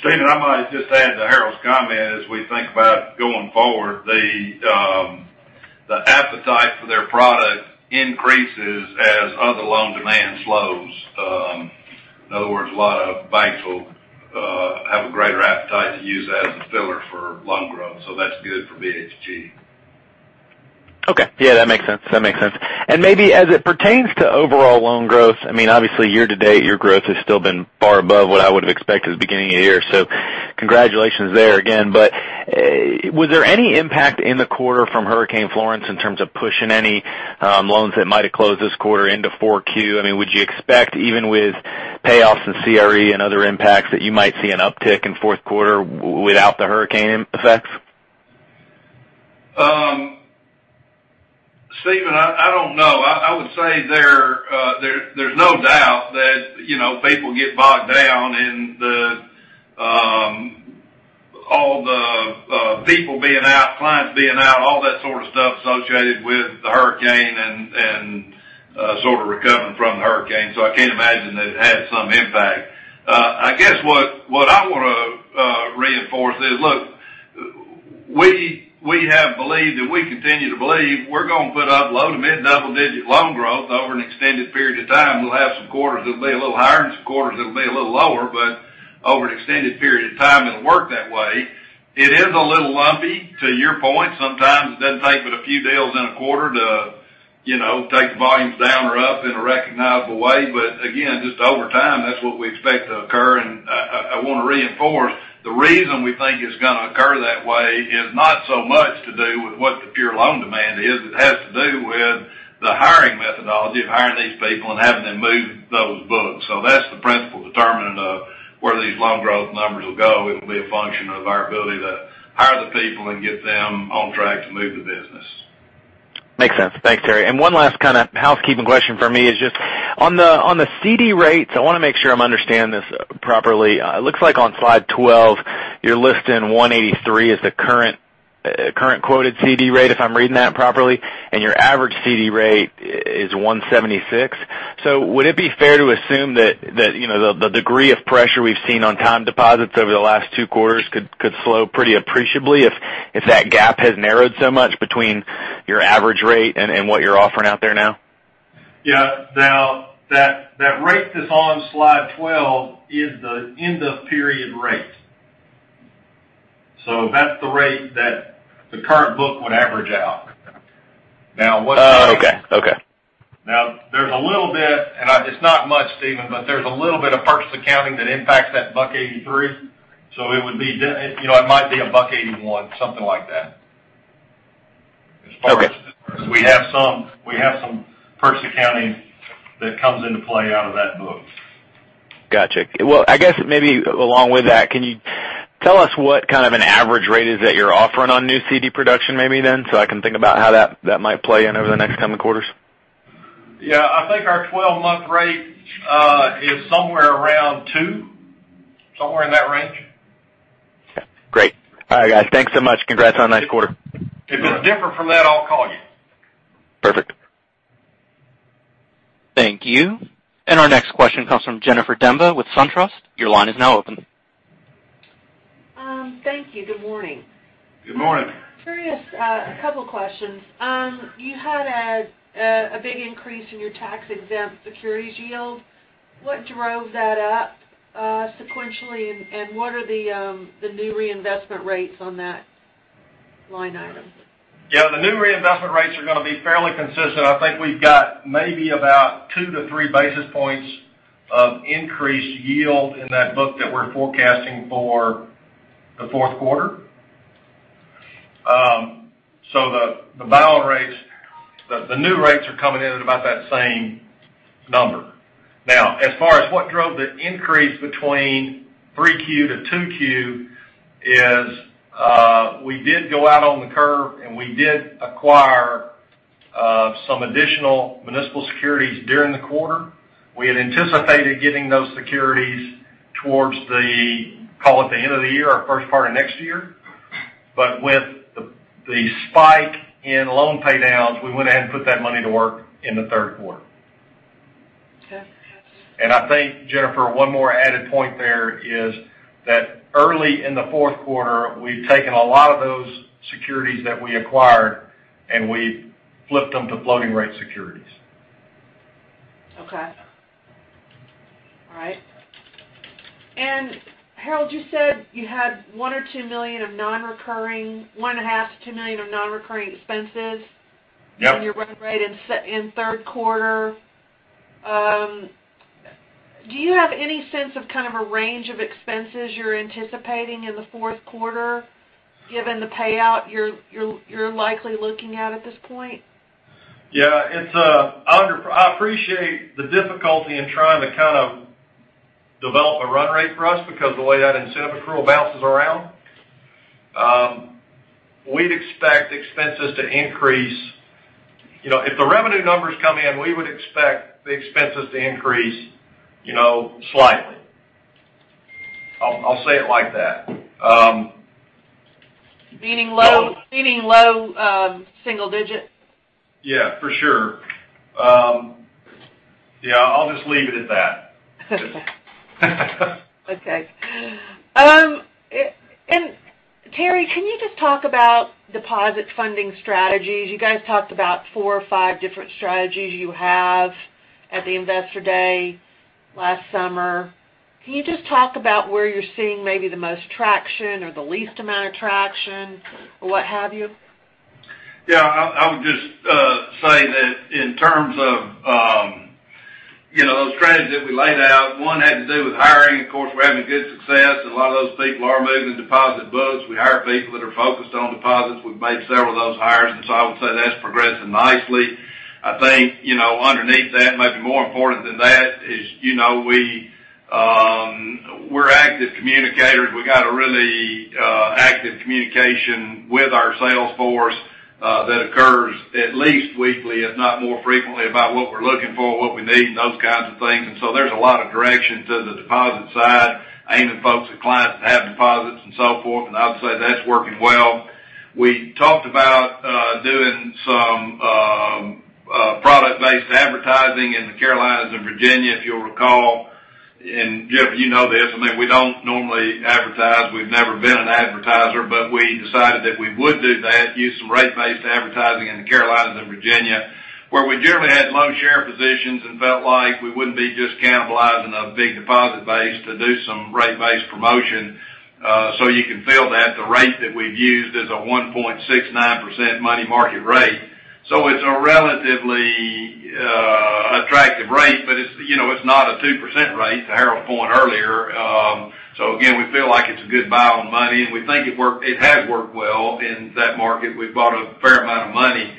Stephen, I might just add to Harold's comment, as we think about going forward, the appetite for their product increases as other loan demand slows. In other words, a lot of banks will have a greater appetite to use that as a filler for loan growth, so that's good for BHG. Okay. Yeah, that makes sense. Maybe as it pertains to overall loan growth, I mean, obviously year-to-date, your growth has still been far above what I would've expected at the beginning of the year, so congratulations there again. Was there any impact in the quarter from Hurricane Florence in terms of pushing any loans that might have closed this quarter into 4Q? I mean, would you expect even with payoffs and CRE and other impacts, that you might see an uptick in fourth quarter without the hurricane effects? Stephen, I don't know. I would say there's no doubt that people get bogged down in all the people being out, clients being out, all that sort of stuff associated with the hurricane and sort of recovering from the hurricane, so I can't imagine that it had some impact. I guess what I want to reinforce is, look, we have believed and we continue to believe we're going to put up low- to mid-double-digit loan growth over an extended period of time. We'll have some quarters that'll be a little higher and some quarters that'll be a little lower, but over an extended period of time, it'll work that way. It is a little lumpy, to your point. Sometimes it doesn't take but a few deals in a quarter to take the volumes down or up in a recognizable way. Again, just over time, that's what we expect to occur. I want to reinforce, the reason we think it's going to occur that way is not so much to do with what the pure loan demand is. It has to do with the hiring methodology of hiring these people and having them move those books. That's the principal determinant of where these loan growth numbers will go. It will be a function of our ability to hire the people and get them on track to move the business. Makes sense. Thanks, Terry. One last kind of housekeeping question from me is just on the CD rates, I want to make sure I'm understanding this properly. It looks like on slide 12, you're listing 183 as the current quoted CD rate, if I'm reading that properly, and your average CD rate is 176. Would it be fair to assume that the degree of pressure we've seen on time deposits over the last two quarters could slow pretty appreciably if that gap has narrowed so much between your average rate and what you're offering out there now? Yeah. Now, that rate that's on slide 12 is the end-of-period rate. That's the rate that the current book would average out. Oh, okay. There's a little bit, and it's not much, Stephen, but there's a little bit of purchase accounting that impacts that $1.83. It might be a $1.81, something like that. Okay. We have some purchase accounting that comes into play out of that book. Got you. I guess maybe along with that, can you tell us what kind of an average rate is that you're offering on new CD production, maybe then, so I can think about how that might play in over the next coming quarters? I think our 12-month rate is somewhere around two, somewhere in that range. Okay, great. All right, guys. Thanks so much. Congrats on a nice quarter. If it's different from that, I'll call you. Perfect. Thank you. Our next question comes from Jennifer Demba with SunTrust. Your line is now open. Thank you. Good morning. Good morning. Terry, a couple questions. You had a big increase in your tax-exempt securities yield. What drove that up sequentially, and what are the new reinvestment rates on that line item? Yeah, the new reinvestment rates are going to be fairly consistent. I think we've got maybe about two to three basis points of increased yield in that book that we're forecasting for the fourth quarter. The new rates are coming in at about that same number. As far as what drove the increase between 3Q to 2Q is we did go out on the curve, and we did acquire some additional municipal securities during the quarter. We had anticipated getting those securities towards the, call it, the end of the year or first part of next year. With the spike in loan pay downs, we went ahead and put that money to work in the third quarter. Okay. I think, Jennifer, one more added point there is that early in the fourth quarter, we've taken a lot of those securities that we acquired, and we've flipped them to floating rate securities. Okay. All right. Harold, you said you had $1 million or $2 million of non-recurring, one and a half to $2 million of non-recurring expenses. Yep In your run rate in third quarter. Do you have any sense of kind of a range of expenses you're anticipating in the fourth quarter, given the payout you're likely looking at at this point? Yeah. I appreciate the difficulty in trying to kind of develop a run rate for us because of the way that incentive accrual bounces around. If the revenue numbers come in, we would expect the expenses to increase slightly. I'll say it like that. Meaning low single digits? Yeah, for sure. Yeah, I'll just leave it at that. Okay. Terry, can you just talk about deposit funding strategies? You guys talked about four or five different strategies you have at the investor day last summer. Can you just talk about where you're seeing maybe the most traction or the least amount of traction, or what have you? Yeah, I would just say that in terms of those strategies that we laid out, one had to do with hiring. Of course, we're having good success, and a lot of those people are moving the deposit books. We hire people that are focused on deposits. We've made several of those hires, I would say that's progressing nicely. I think underneath that, maybe more important than that is we got a really active communication with our sales force that occurs at least weekly, if not more frequently, about what we're looking for, what we need, and those kinds of things. There's a lot of direction to the deposit side, aiming folks at clients that have deposits and so forth. I would say that's working well. We talked about doing some product-based advertising in the Carolinas and Virginia, if you'll recall. Jeff, you know this, we don't normally advertise. We've never been an advertiser, but we decided that we would do that, use some rate-based advertising in the Carolinas and Virginia, where we generally had loan share positions and felt like we wouldn't be just cannibalizing a big deposit base to do some rate-based promotion. You can feel that the rate that we've used is a 1.69% money market rate. It's a relatively attractive rate, but it's not a 2% rate, to Harold's point earlier. Again, we feel like it's a good buy on money, and we think it has worked well in that market. We've bought a fair amount of money.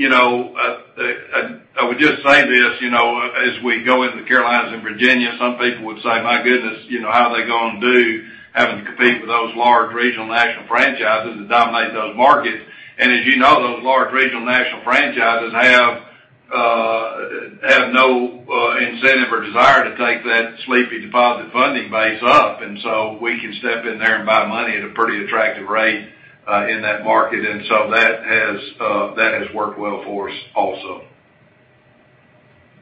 I would just say this, as we go into the Carolinas and Virginia, some people would say, "My goodness, how are they going to do having to compete with those large regional national franchises that dominate those markets?" As you know, those large regional national franchises have no incentive or desire to take that sleepy deposit funding base up. We can step in there and buy money at a pretty attractive rate in that market. That has worked well for us also.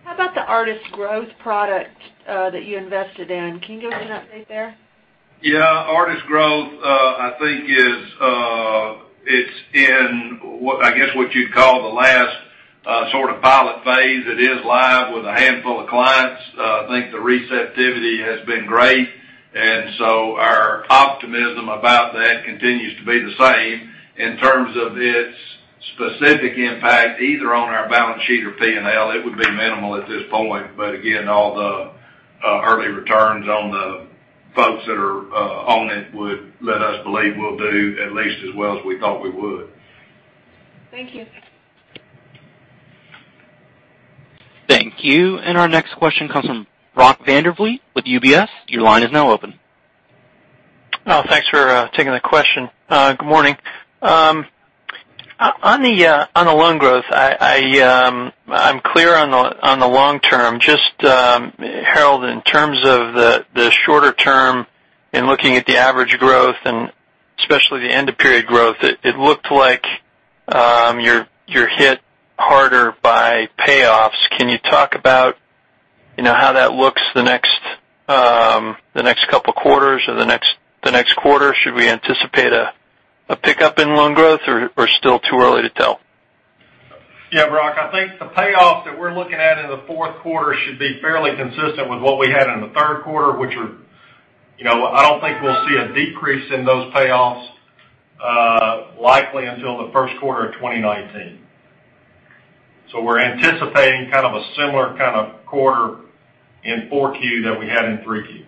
How about the Artist Growth product that you invested in? Can you give an update there? Yeah. Artist Growth, I think it's in, I guess, what you'd call the last sort of pilot phase. It is live with a handful of clients. I think the receptivity has been great, our optimism about that continues to be the same. In terms of its specific impact, either on our balance sheet or P&L, it would be minimal at this point. Again, all the early returns on the folks that are on it would let us believe we'll do at least as well as we thought we would. Thank you. Thank you. Our next question comes from Brock Vandervliet with UBS. Your line is now open. Thanks for taking the question. Good morning. On the loan growth, I'm clear on the long term. Just, Harold, in terms of the shorter term in looking at the average growth and especially the end of period growth, it looked like you're hit harder by payoffs. Can you talk about how that looks the next couple of quarters or the next quarter? Should we anticipate a pickup in loan growth, or it's still too early to tell? Yeah, Brock, I think the payoffs that we're looking at in the fourth quarter should be fairly consistent with what we had in the third quarter. I don't think we'll see a decrease in those payoffs likely until the first quarter of 2019. We're anticipating kind of a similar kind of quarter in 4Q that we had in 3Q.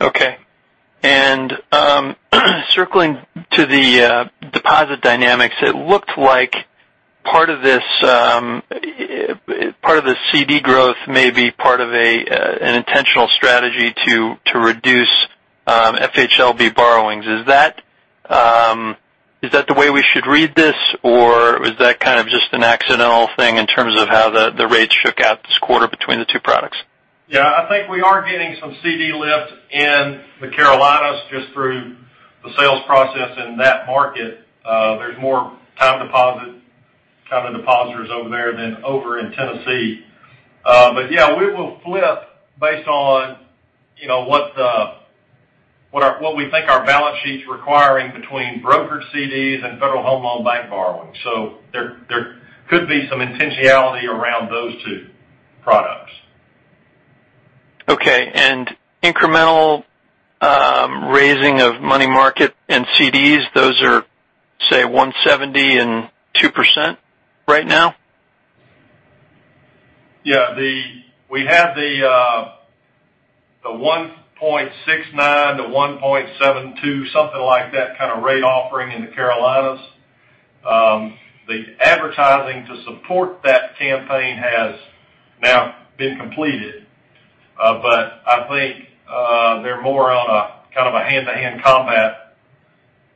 Okay. Circling to the deposit dynamics, it looked like part of this CD growth may be part of an intentional strategy to reduce FHLB borrowings. Is that the way we should read this, or was that kind of just an accidental thing in terms of how the rates shook out this quarter between the two products? I think we are getting some CD lift in the Carolinas just through the sales process in that market. There's more time depositors over there than over in Tennessee. We will flip based on what we think our balance sheet's requiring between brokered CDs and Federal Home Loan Bank borrowing. There could be some intentionality around those two products. Okay. Incremental raising of money market and CDs, those are, say, 170 and 2% right now? We have the 1.69 to 1.72, something like that, kind of rate offering in the Carolinas. The advertising to support that campaign has now been completed. I think they're more on a kind of a hand-to-hand combat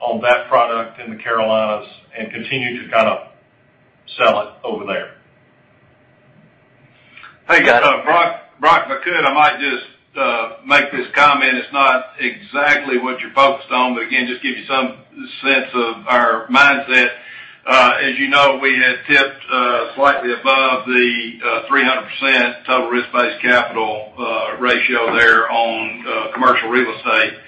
on that product in the Carolinas and continue to kind of sell it over there. Hey, Brock, if I could, I might just make this comment. It's not exactly what you're focused on, but again, just give you some sense of our mindset. As you know, we had tipped slightly above the 300% total risk-based capital ratio there on commercial real estate.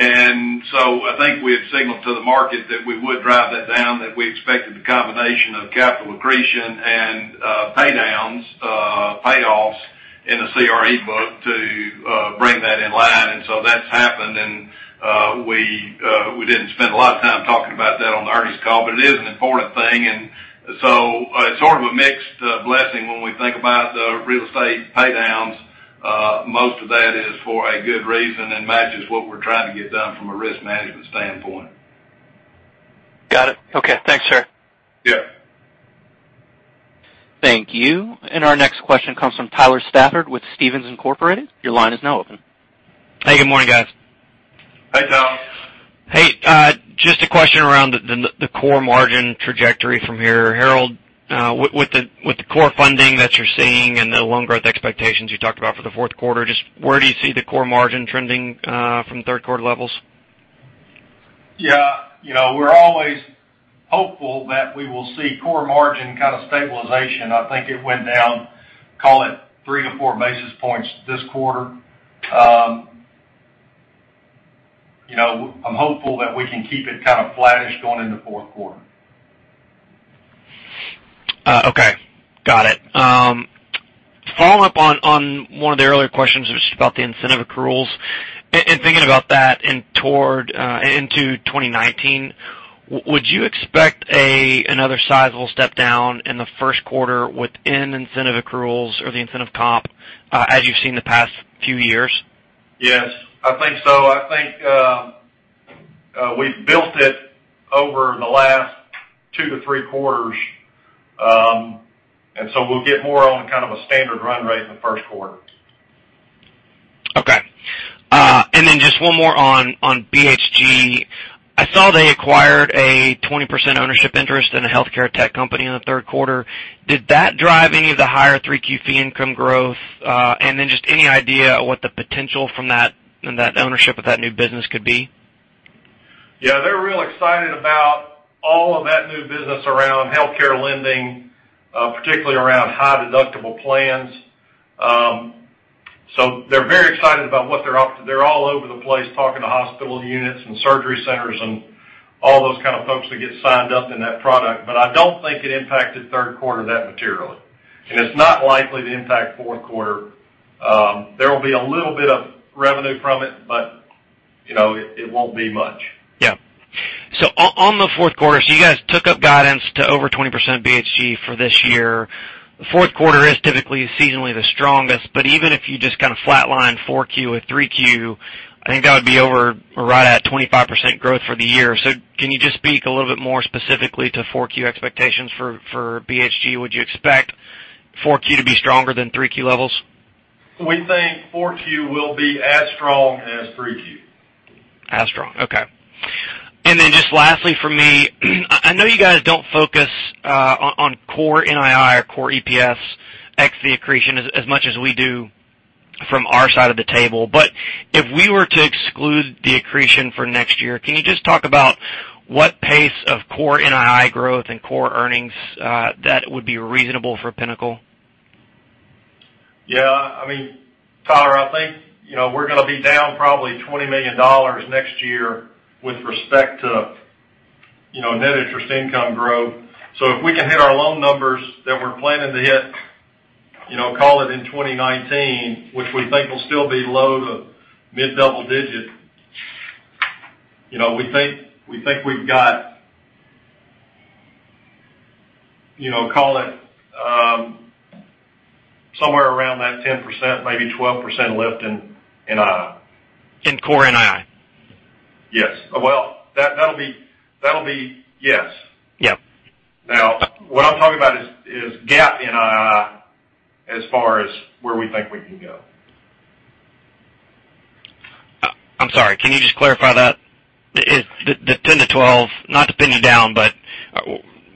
I think we had signaled to the market that we would drive that down, that we expected the combination of capital accretion and pay downs, payoffs in the CRE book to bring that in line. That's happened, we didn't spend a lot of time talking about that on the earnings call, but it is an important thing. It's sort of a mixed blessing when we think about the real estate pay downs. Most of that is for a good reason and matches what we're trying to get done from a risk management standpoint. Got it. Okay. Thanks, sir. Our next question comes from Tyler Stafford with Stephens Inc.. Your line is now open. Hey, good morning, guys. Hi, Tyler. Hey, just a question around the core margin trajectory from here. Harold, with the core funding that you're seeing and the loan growth expectations you talked about for the fourth quarter, just where do you see the core margin trending from third quarter levels? Yeah. We're always hopeful that we will see core margin kind of stabilization. I think it went down, call it three to four basis points this quarter. I'm hopeful that we can keep it kind of flattish going into fourth quarter. Okay. Got it. Following up on one of the earlier questions, which is about the incentive accruals, and thinking about that into 2019, would you expect another sizable step down in the first quarter within incentive accruals or the incentive comp, as you've seen the past few years? Yes, I think so. I think we've built it over the last two to three quarters. We'll get more on kind of a standard run rate in the first quarter. Okay. Just one more on BHG. I saw they acquired a 20% ownership interest in a healthcare tech company in the third quarter. Did that drive any of the higher 3Q fee income growth? Just any idea what the potential from that ownership of that new business could be? Yeah, they're real excited about all of that new business around healthcare lending, particularly around high deductible plans. They're very excited about what they're up to. They're all over the place talking to hospital units and surgery centers and all those kind of folks that get signed up in that product. I don't think it impacted third quarter that materially, and it's not likely to impact fourth quarter. There will be a little bit of revenue from it, but it won't be much. Yeah. On the fourth quarter, you guys took up guidance to over 20% BHG for this year. Fourth quarter is typically seasonally the strongest, but even if you just kind of flatline 4Q or 3Q, I think that would be over or right at 25% growth for the year. Can you just speak a little bit more specifically to 4Q expectations for BHG? Would you expect 4Q to be stronger than 3Q levels? We think 4Q will be as strong as 3Q. As strong. Okay. Lastly from me, I know you guys don't focus on core NII or core EPS, ex the accretion, as much as we do from our side of the table. If we were to exclude the accretion for next year, can you just talk about what pace of core NII growth and core earnings that would be reasonable for Pinnacle? Yeah, Tyler, I think, we're going to be down probably $20 million next year with respect to net interest income growth. If we can hit our loan numbers that we're planning to hit, call it in 2019, which we think will still be low to mid double digit. We think we've got, call it, somewhere around that 10%, maybe 12% lift in NII. In core NII. Yes. Well, that'll be, yes. Yep. What I'm talking about is GAAP NII as far as where we think we can go. I'm sorry, can you just clarify that? The 10-12, not to pin you down,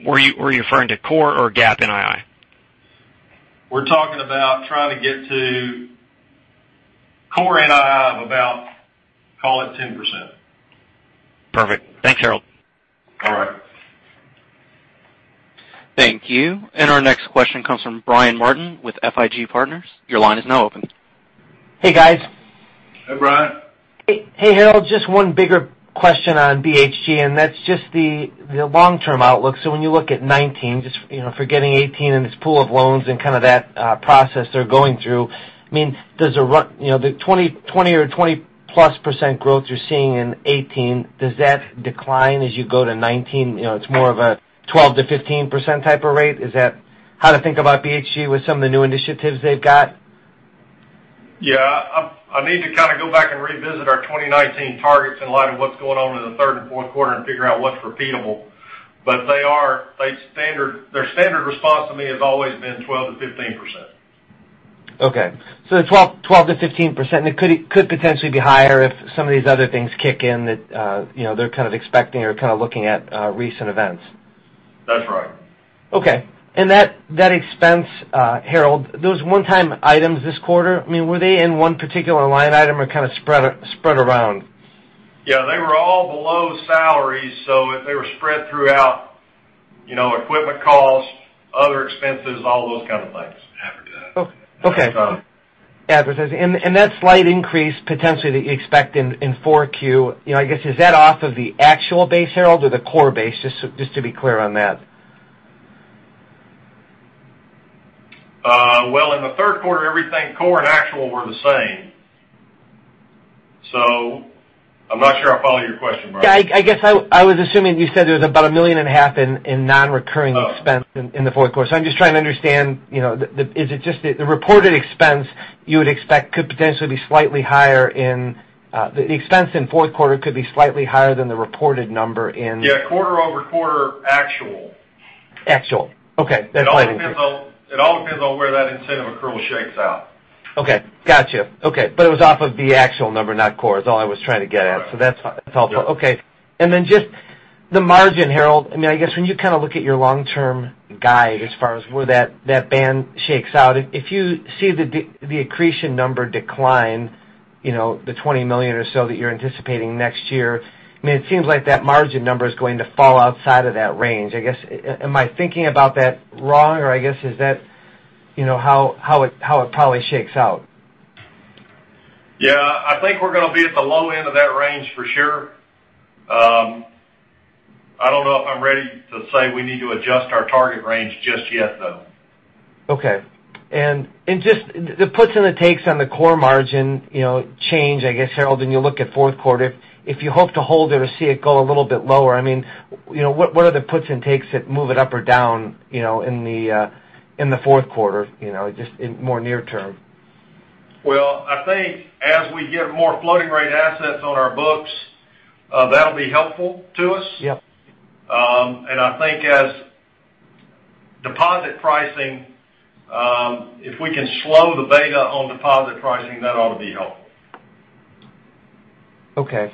were you referring to core or GAAP NII? We're talking about trying to get to core NII of about, call it, 10%. Perfect. Thanks, Harold. All right. Thank you. Our next question comes from Brian Martin with FIG Partners. Your line is now open. Hey, guys. Hey, Brian. Hey, Harold, just one bigger question on BHG, that's just the long-term outlook. When you look at 2019, just forgetting 2018 and its pool of loans and kind of that process they're going through, the 20% or 20%-plus growth you're seeing in 2018, does that decline as you go to 2019? It's more of a 12%-15% type of rate. Is that how to think about BHG with some of the new initiatives they've got? Yeah. I need to kind of go back and revisit our 2019 targets in light of what's going on in the third and fourth quarter and figure out what's repeatable. Their standard response to me has always been 12%-15%. Okay. The 12%-15%, it could potentially be higher if some of these other things kick in that they're kind of expecting or kind of looking at recent events. That's right. Okay. That expense, Harold, those one-time items this quarter, were they in one particular line item or kind of spread around? Yeah, they were all below salary, so they were spread throughout equipment costs, other expenses, all those kind of things. Okay. That slight increase potentially that you expect in 4Q, I guess, is that off of the actual base, Harold, or the core base? Just to be clear on that. Well, in the third quarter, everything core and actual were the same. I'm not sure I follow your question, Brian. Yeah, I guess I was assuming you said there was about $1.5 million in non-recurring expense in the fourth quarter. I'm just trying to understand, the reported expense you would expect could potentially be slightly higher, the expense in fourth quarter could be slightly higher than the reported number Actual. Okay. It all depends on where that incentive accrual shakes out. Okay. Gotcha. Okay. It was off of the actual number, not core, is all I was trying to get at. Right. That's helpful. Okay. Just the margin, Harold, I guess when you look at your long-term guide as far as where that band shakes out, if you see the accretion number decline, the $20 million or so that you're anticipating next year, it seems like that margin number is going to fall outside of that range. Am I thinking about that wrong, or I guess is that how it probably shakes out? Yeah, I think we're going to be at the low end of that range for sure. I don't know if I'm ready to say we need to adjust our target range just yet, though. Okay. Just the puts and the takes on the core margin change, I guess, Harold, when you look at fourth quarter, if you hope to hold it or see it go a little bit lower, what are the puts and takes that move it up or down in the fourth quarter, just in more near term? Well, I think as we get more floating rate assets on our books, that'll be helpful to us. Yep. I think as deposit pricing, if we can slow the beta on deposit pricing, that ought to be helpful. Okay.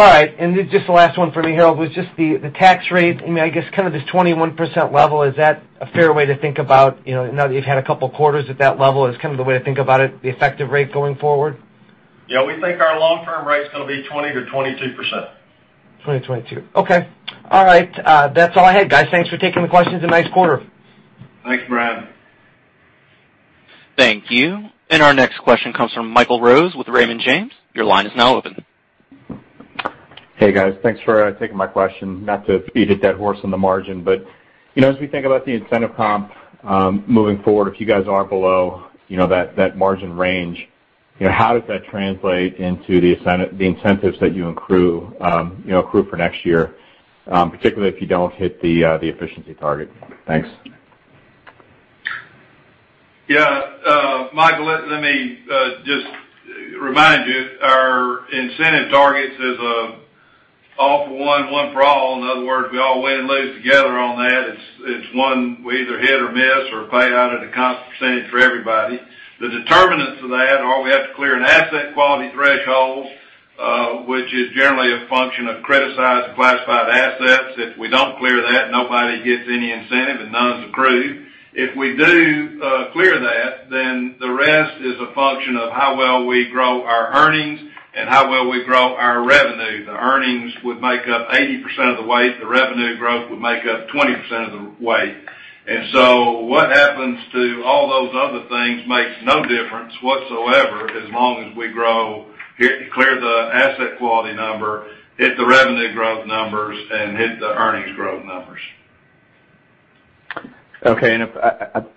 All right, just the last one for me, Harold, was just the tax rate, I guess this 21% level, is that a fair way to think about, now that you've had a couple quarters at that level, is kind of the way to think about it, the effective rate going forward? Yeah, we think our long-term rate's going to be 20%-22%. 20-22. Okay. All right. That's all I had, guys. Thanks for taking the questions, and nice quarter. Thanks, Brian. Thank you. Our next question comes from Michael Rose with Raymond James. Your line is now open. Hey, guys. Thanks for taking my question. Not to beat a dead horse on the margin, but as we think about the incentive comp moving forward, if you guys are below that margin range, how does that translate into the incentives that you accrue for next year, particularly if you don't hit the efficiency target? Thanks. Yeah. Michael, let me just remind you, our incentive targets is all for one for all. In other words, we all win and lose together on that. It's one, we either hit or miss or pay out at a constant percentage for everybody. The determinants of that are we have to clear an asset quality threshold, which is generally a function of criticizing classified assets. If we don't clear that, nobody gets any incentive, and none is accrued. If we do clear that, the rest is a function of how well we grow our earnings and how well we grow our revenue. The earnings would make up 80% of the weight, the revenue growth would make up 20% of the weight. What happens to all those other things makes no difference whatsoever as long as we clear the asset quality number, hit the revenue growth numbers, and hit the earnings growth numbers. Okay.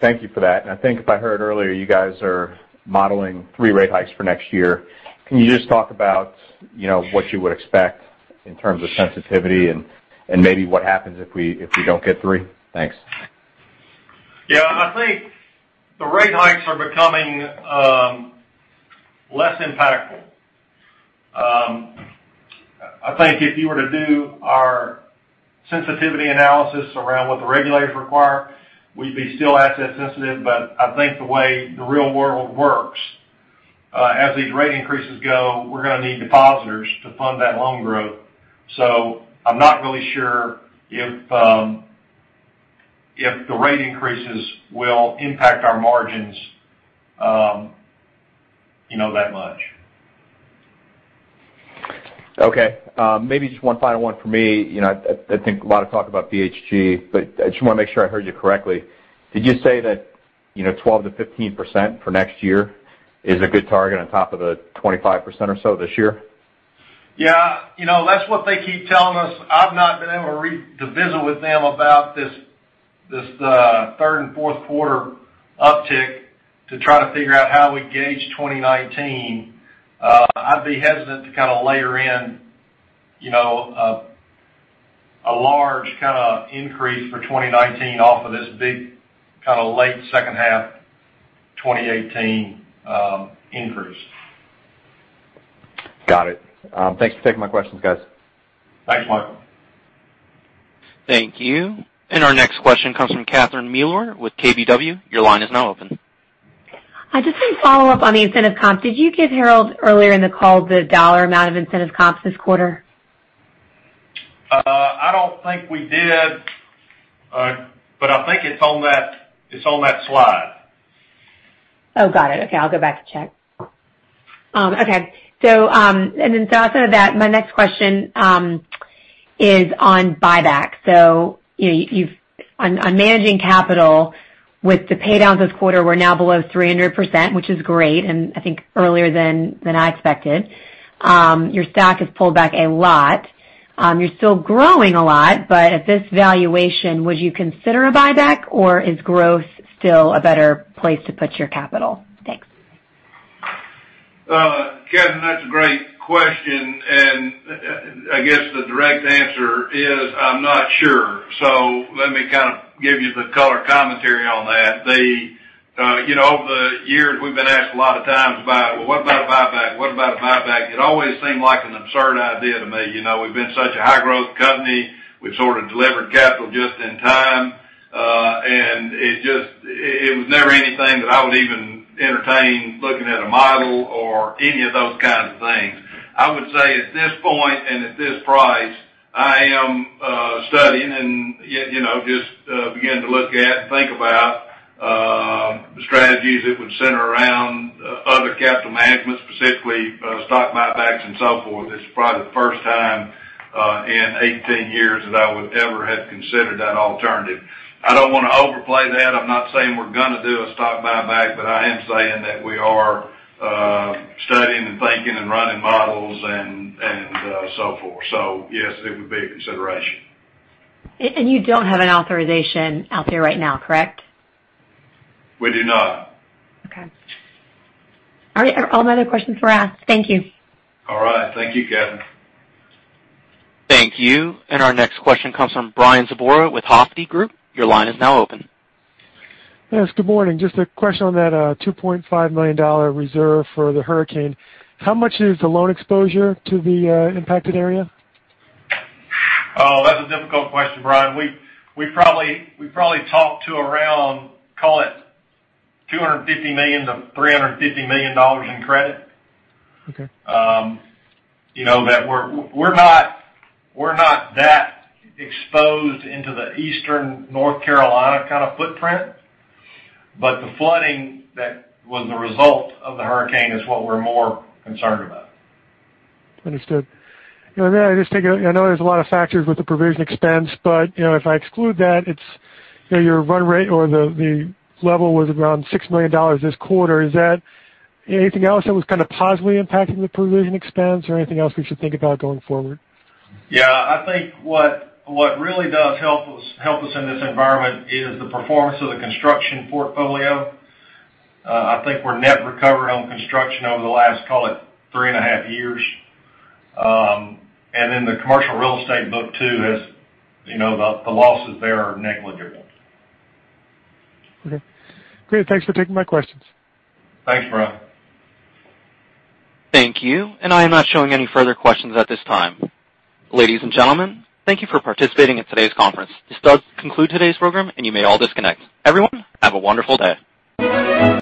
Thank you for that. I think if I heard earlier, you guys are modeling 3 rate hikes for next year. Can you just talk about what you would expect in terms of sensitivity and maybe what happens if we don't get 3? Thanks. I think the rate hikes are becoming less impactful. I think if you were to do our sensitivity analysis around what the regulators require, we'd be still asset sensitive, the way the real world works, as these rate increases go, we're going to need depositors to fund that loan growth. I'm not really sure if the rate increases will impact our margins that much. Okay. Maybe just one final one for me. I think a lot of talk about BHG, I just want to make sure I heard you correctly. Did you say that 12%-15% for next year is a good target on top of the 25% or so this year? That's what they keep telling us. I've not been able to visit with them about this third and fourth quarter uptick to try to figure out how we gauge 2019. I'd be hesitant to layer in a large increase for 2019 off of this big late second half 2018 increase. Got it. Thanks for taking my questions, guys. Thanks, Michael. Thank you. Our next question comes from Catherine Mealor with KBW. Your line is now open. I just want to follow up on the incentive comp. Did you give, Harold, earlier in the call the dollar amount of incentive comps this quarter? I don't think we did, but I think it's on that slide. Got it. Okay, I'll go back to check. Okay. After that, my next question is on buyback. On managing capital with the pay downs this quarter, we're now below 300%, which is great, and I think earlier than I expected. Your stock has pulled back a lot. You're still growing a lot, but at this valuation, would you consider a buyback, or is growth still a better place to put your capital? Thanks. Catherine, that's a great question, I guess the direct answer is I'm not sure. Let me give you the color commentary on that. Over the years, we've been asked a lot of times about, "Well, what about a buyback? What about a buyback?" It always seemed like an absurd idea to me. We've been such a high growth company. We've sort of delivered capital just in time. It was never anything that I would even entertain looking at a model or any of those kinds of things. I would say at this point and at this price, I am studying and just beginning to look at and think about strategies that would center around other capital management, specifically, stock buybacks and so forth. It's probably the first time in 18 years that I would ever have considered that alternative. I don't want to overplay that. I'm not saying we're going to do a stock buyback, I am saying that we are studying and thinking and running models and so forth. Yes, it would be a consideration. You don't have an authorization out there right now, correct? We do not. Okay. All right. All my other questions were asked. Thank you. All right. Thank you, Catherine. Thank you. Our next question comes from Brian Sobora with Hovde Group. Your line is now open. Yes, good morning. Just a question on that $2.5 million reserve for the hurricane. How much is the loan exposure to the impacted area? Oh, that's a difficult question, Brian. We probably talked to around, call it $250 million-$350 million in credit. Okay. We're not that exposed into the Eastern North Carolina kind of footprint, the flooding that was the result of the hurricane is what we're more concerned about. Understood. I know there's a lot of factors with the provision expense, but, if I exclude that, your run rate or the level was around $6 million this quarter. Is there anything else that was kind of positively impacting the provision expense or anything else we should think about going forward? Yeah, I think what really does help us in this environment is the performance of the construction portfolio. I think we're net recovered on construction over the last, call it three and a half years. The commercial real estate book too, the losses there are negligible. Okay, great. Thanks for taking my questions. Thanks, Brian. Thank you. I am not showing any further questions at this time. Ladies and gentlemen, thank you for participating in today's conference. This does conclude today's program, and you may all disconnect. Everyone, have a wonderful day.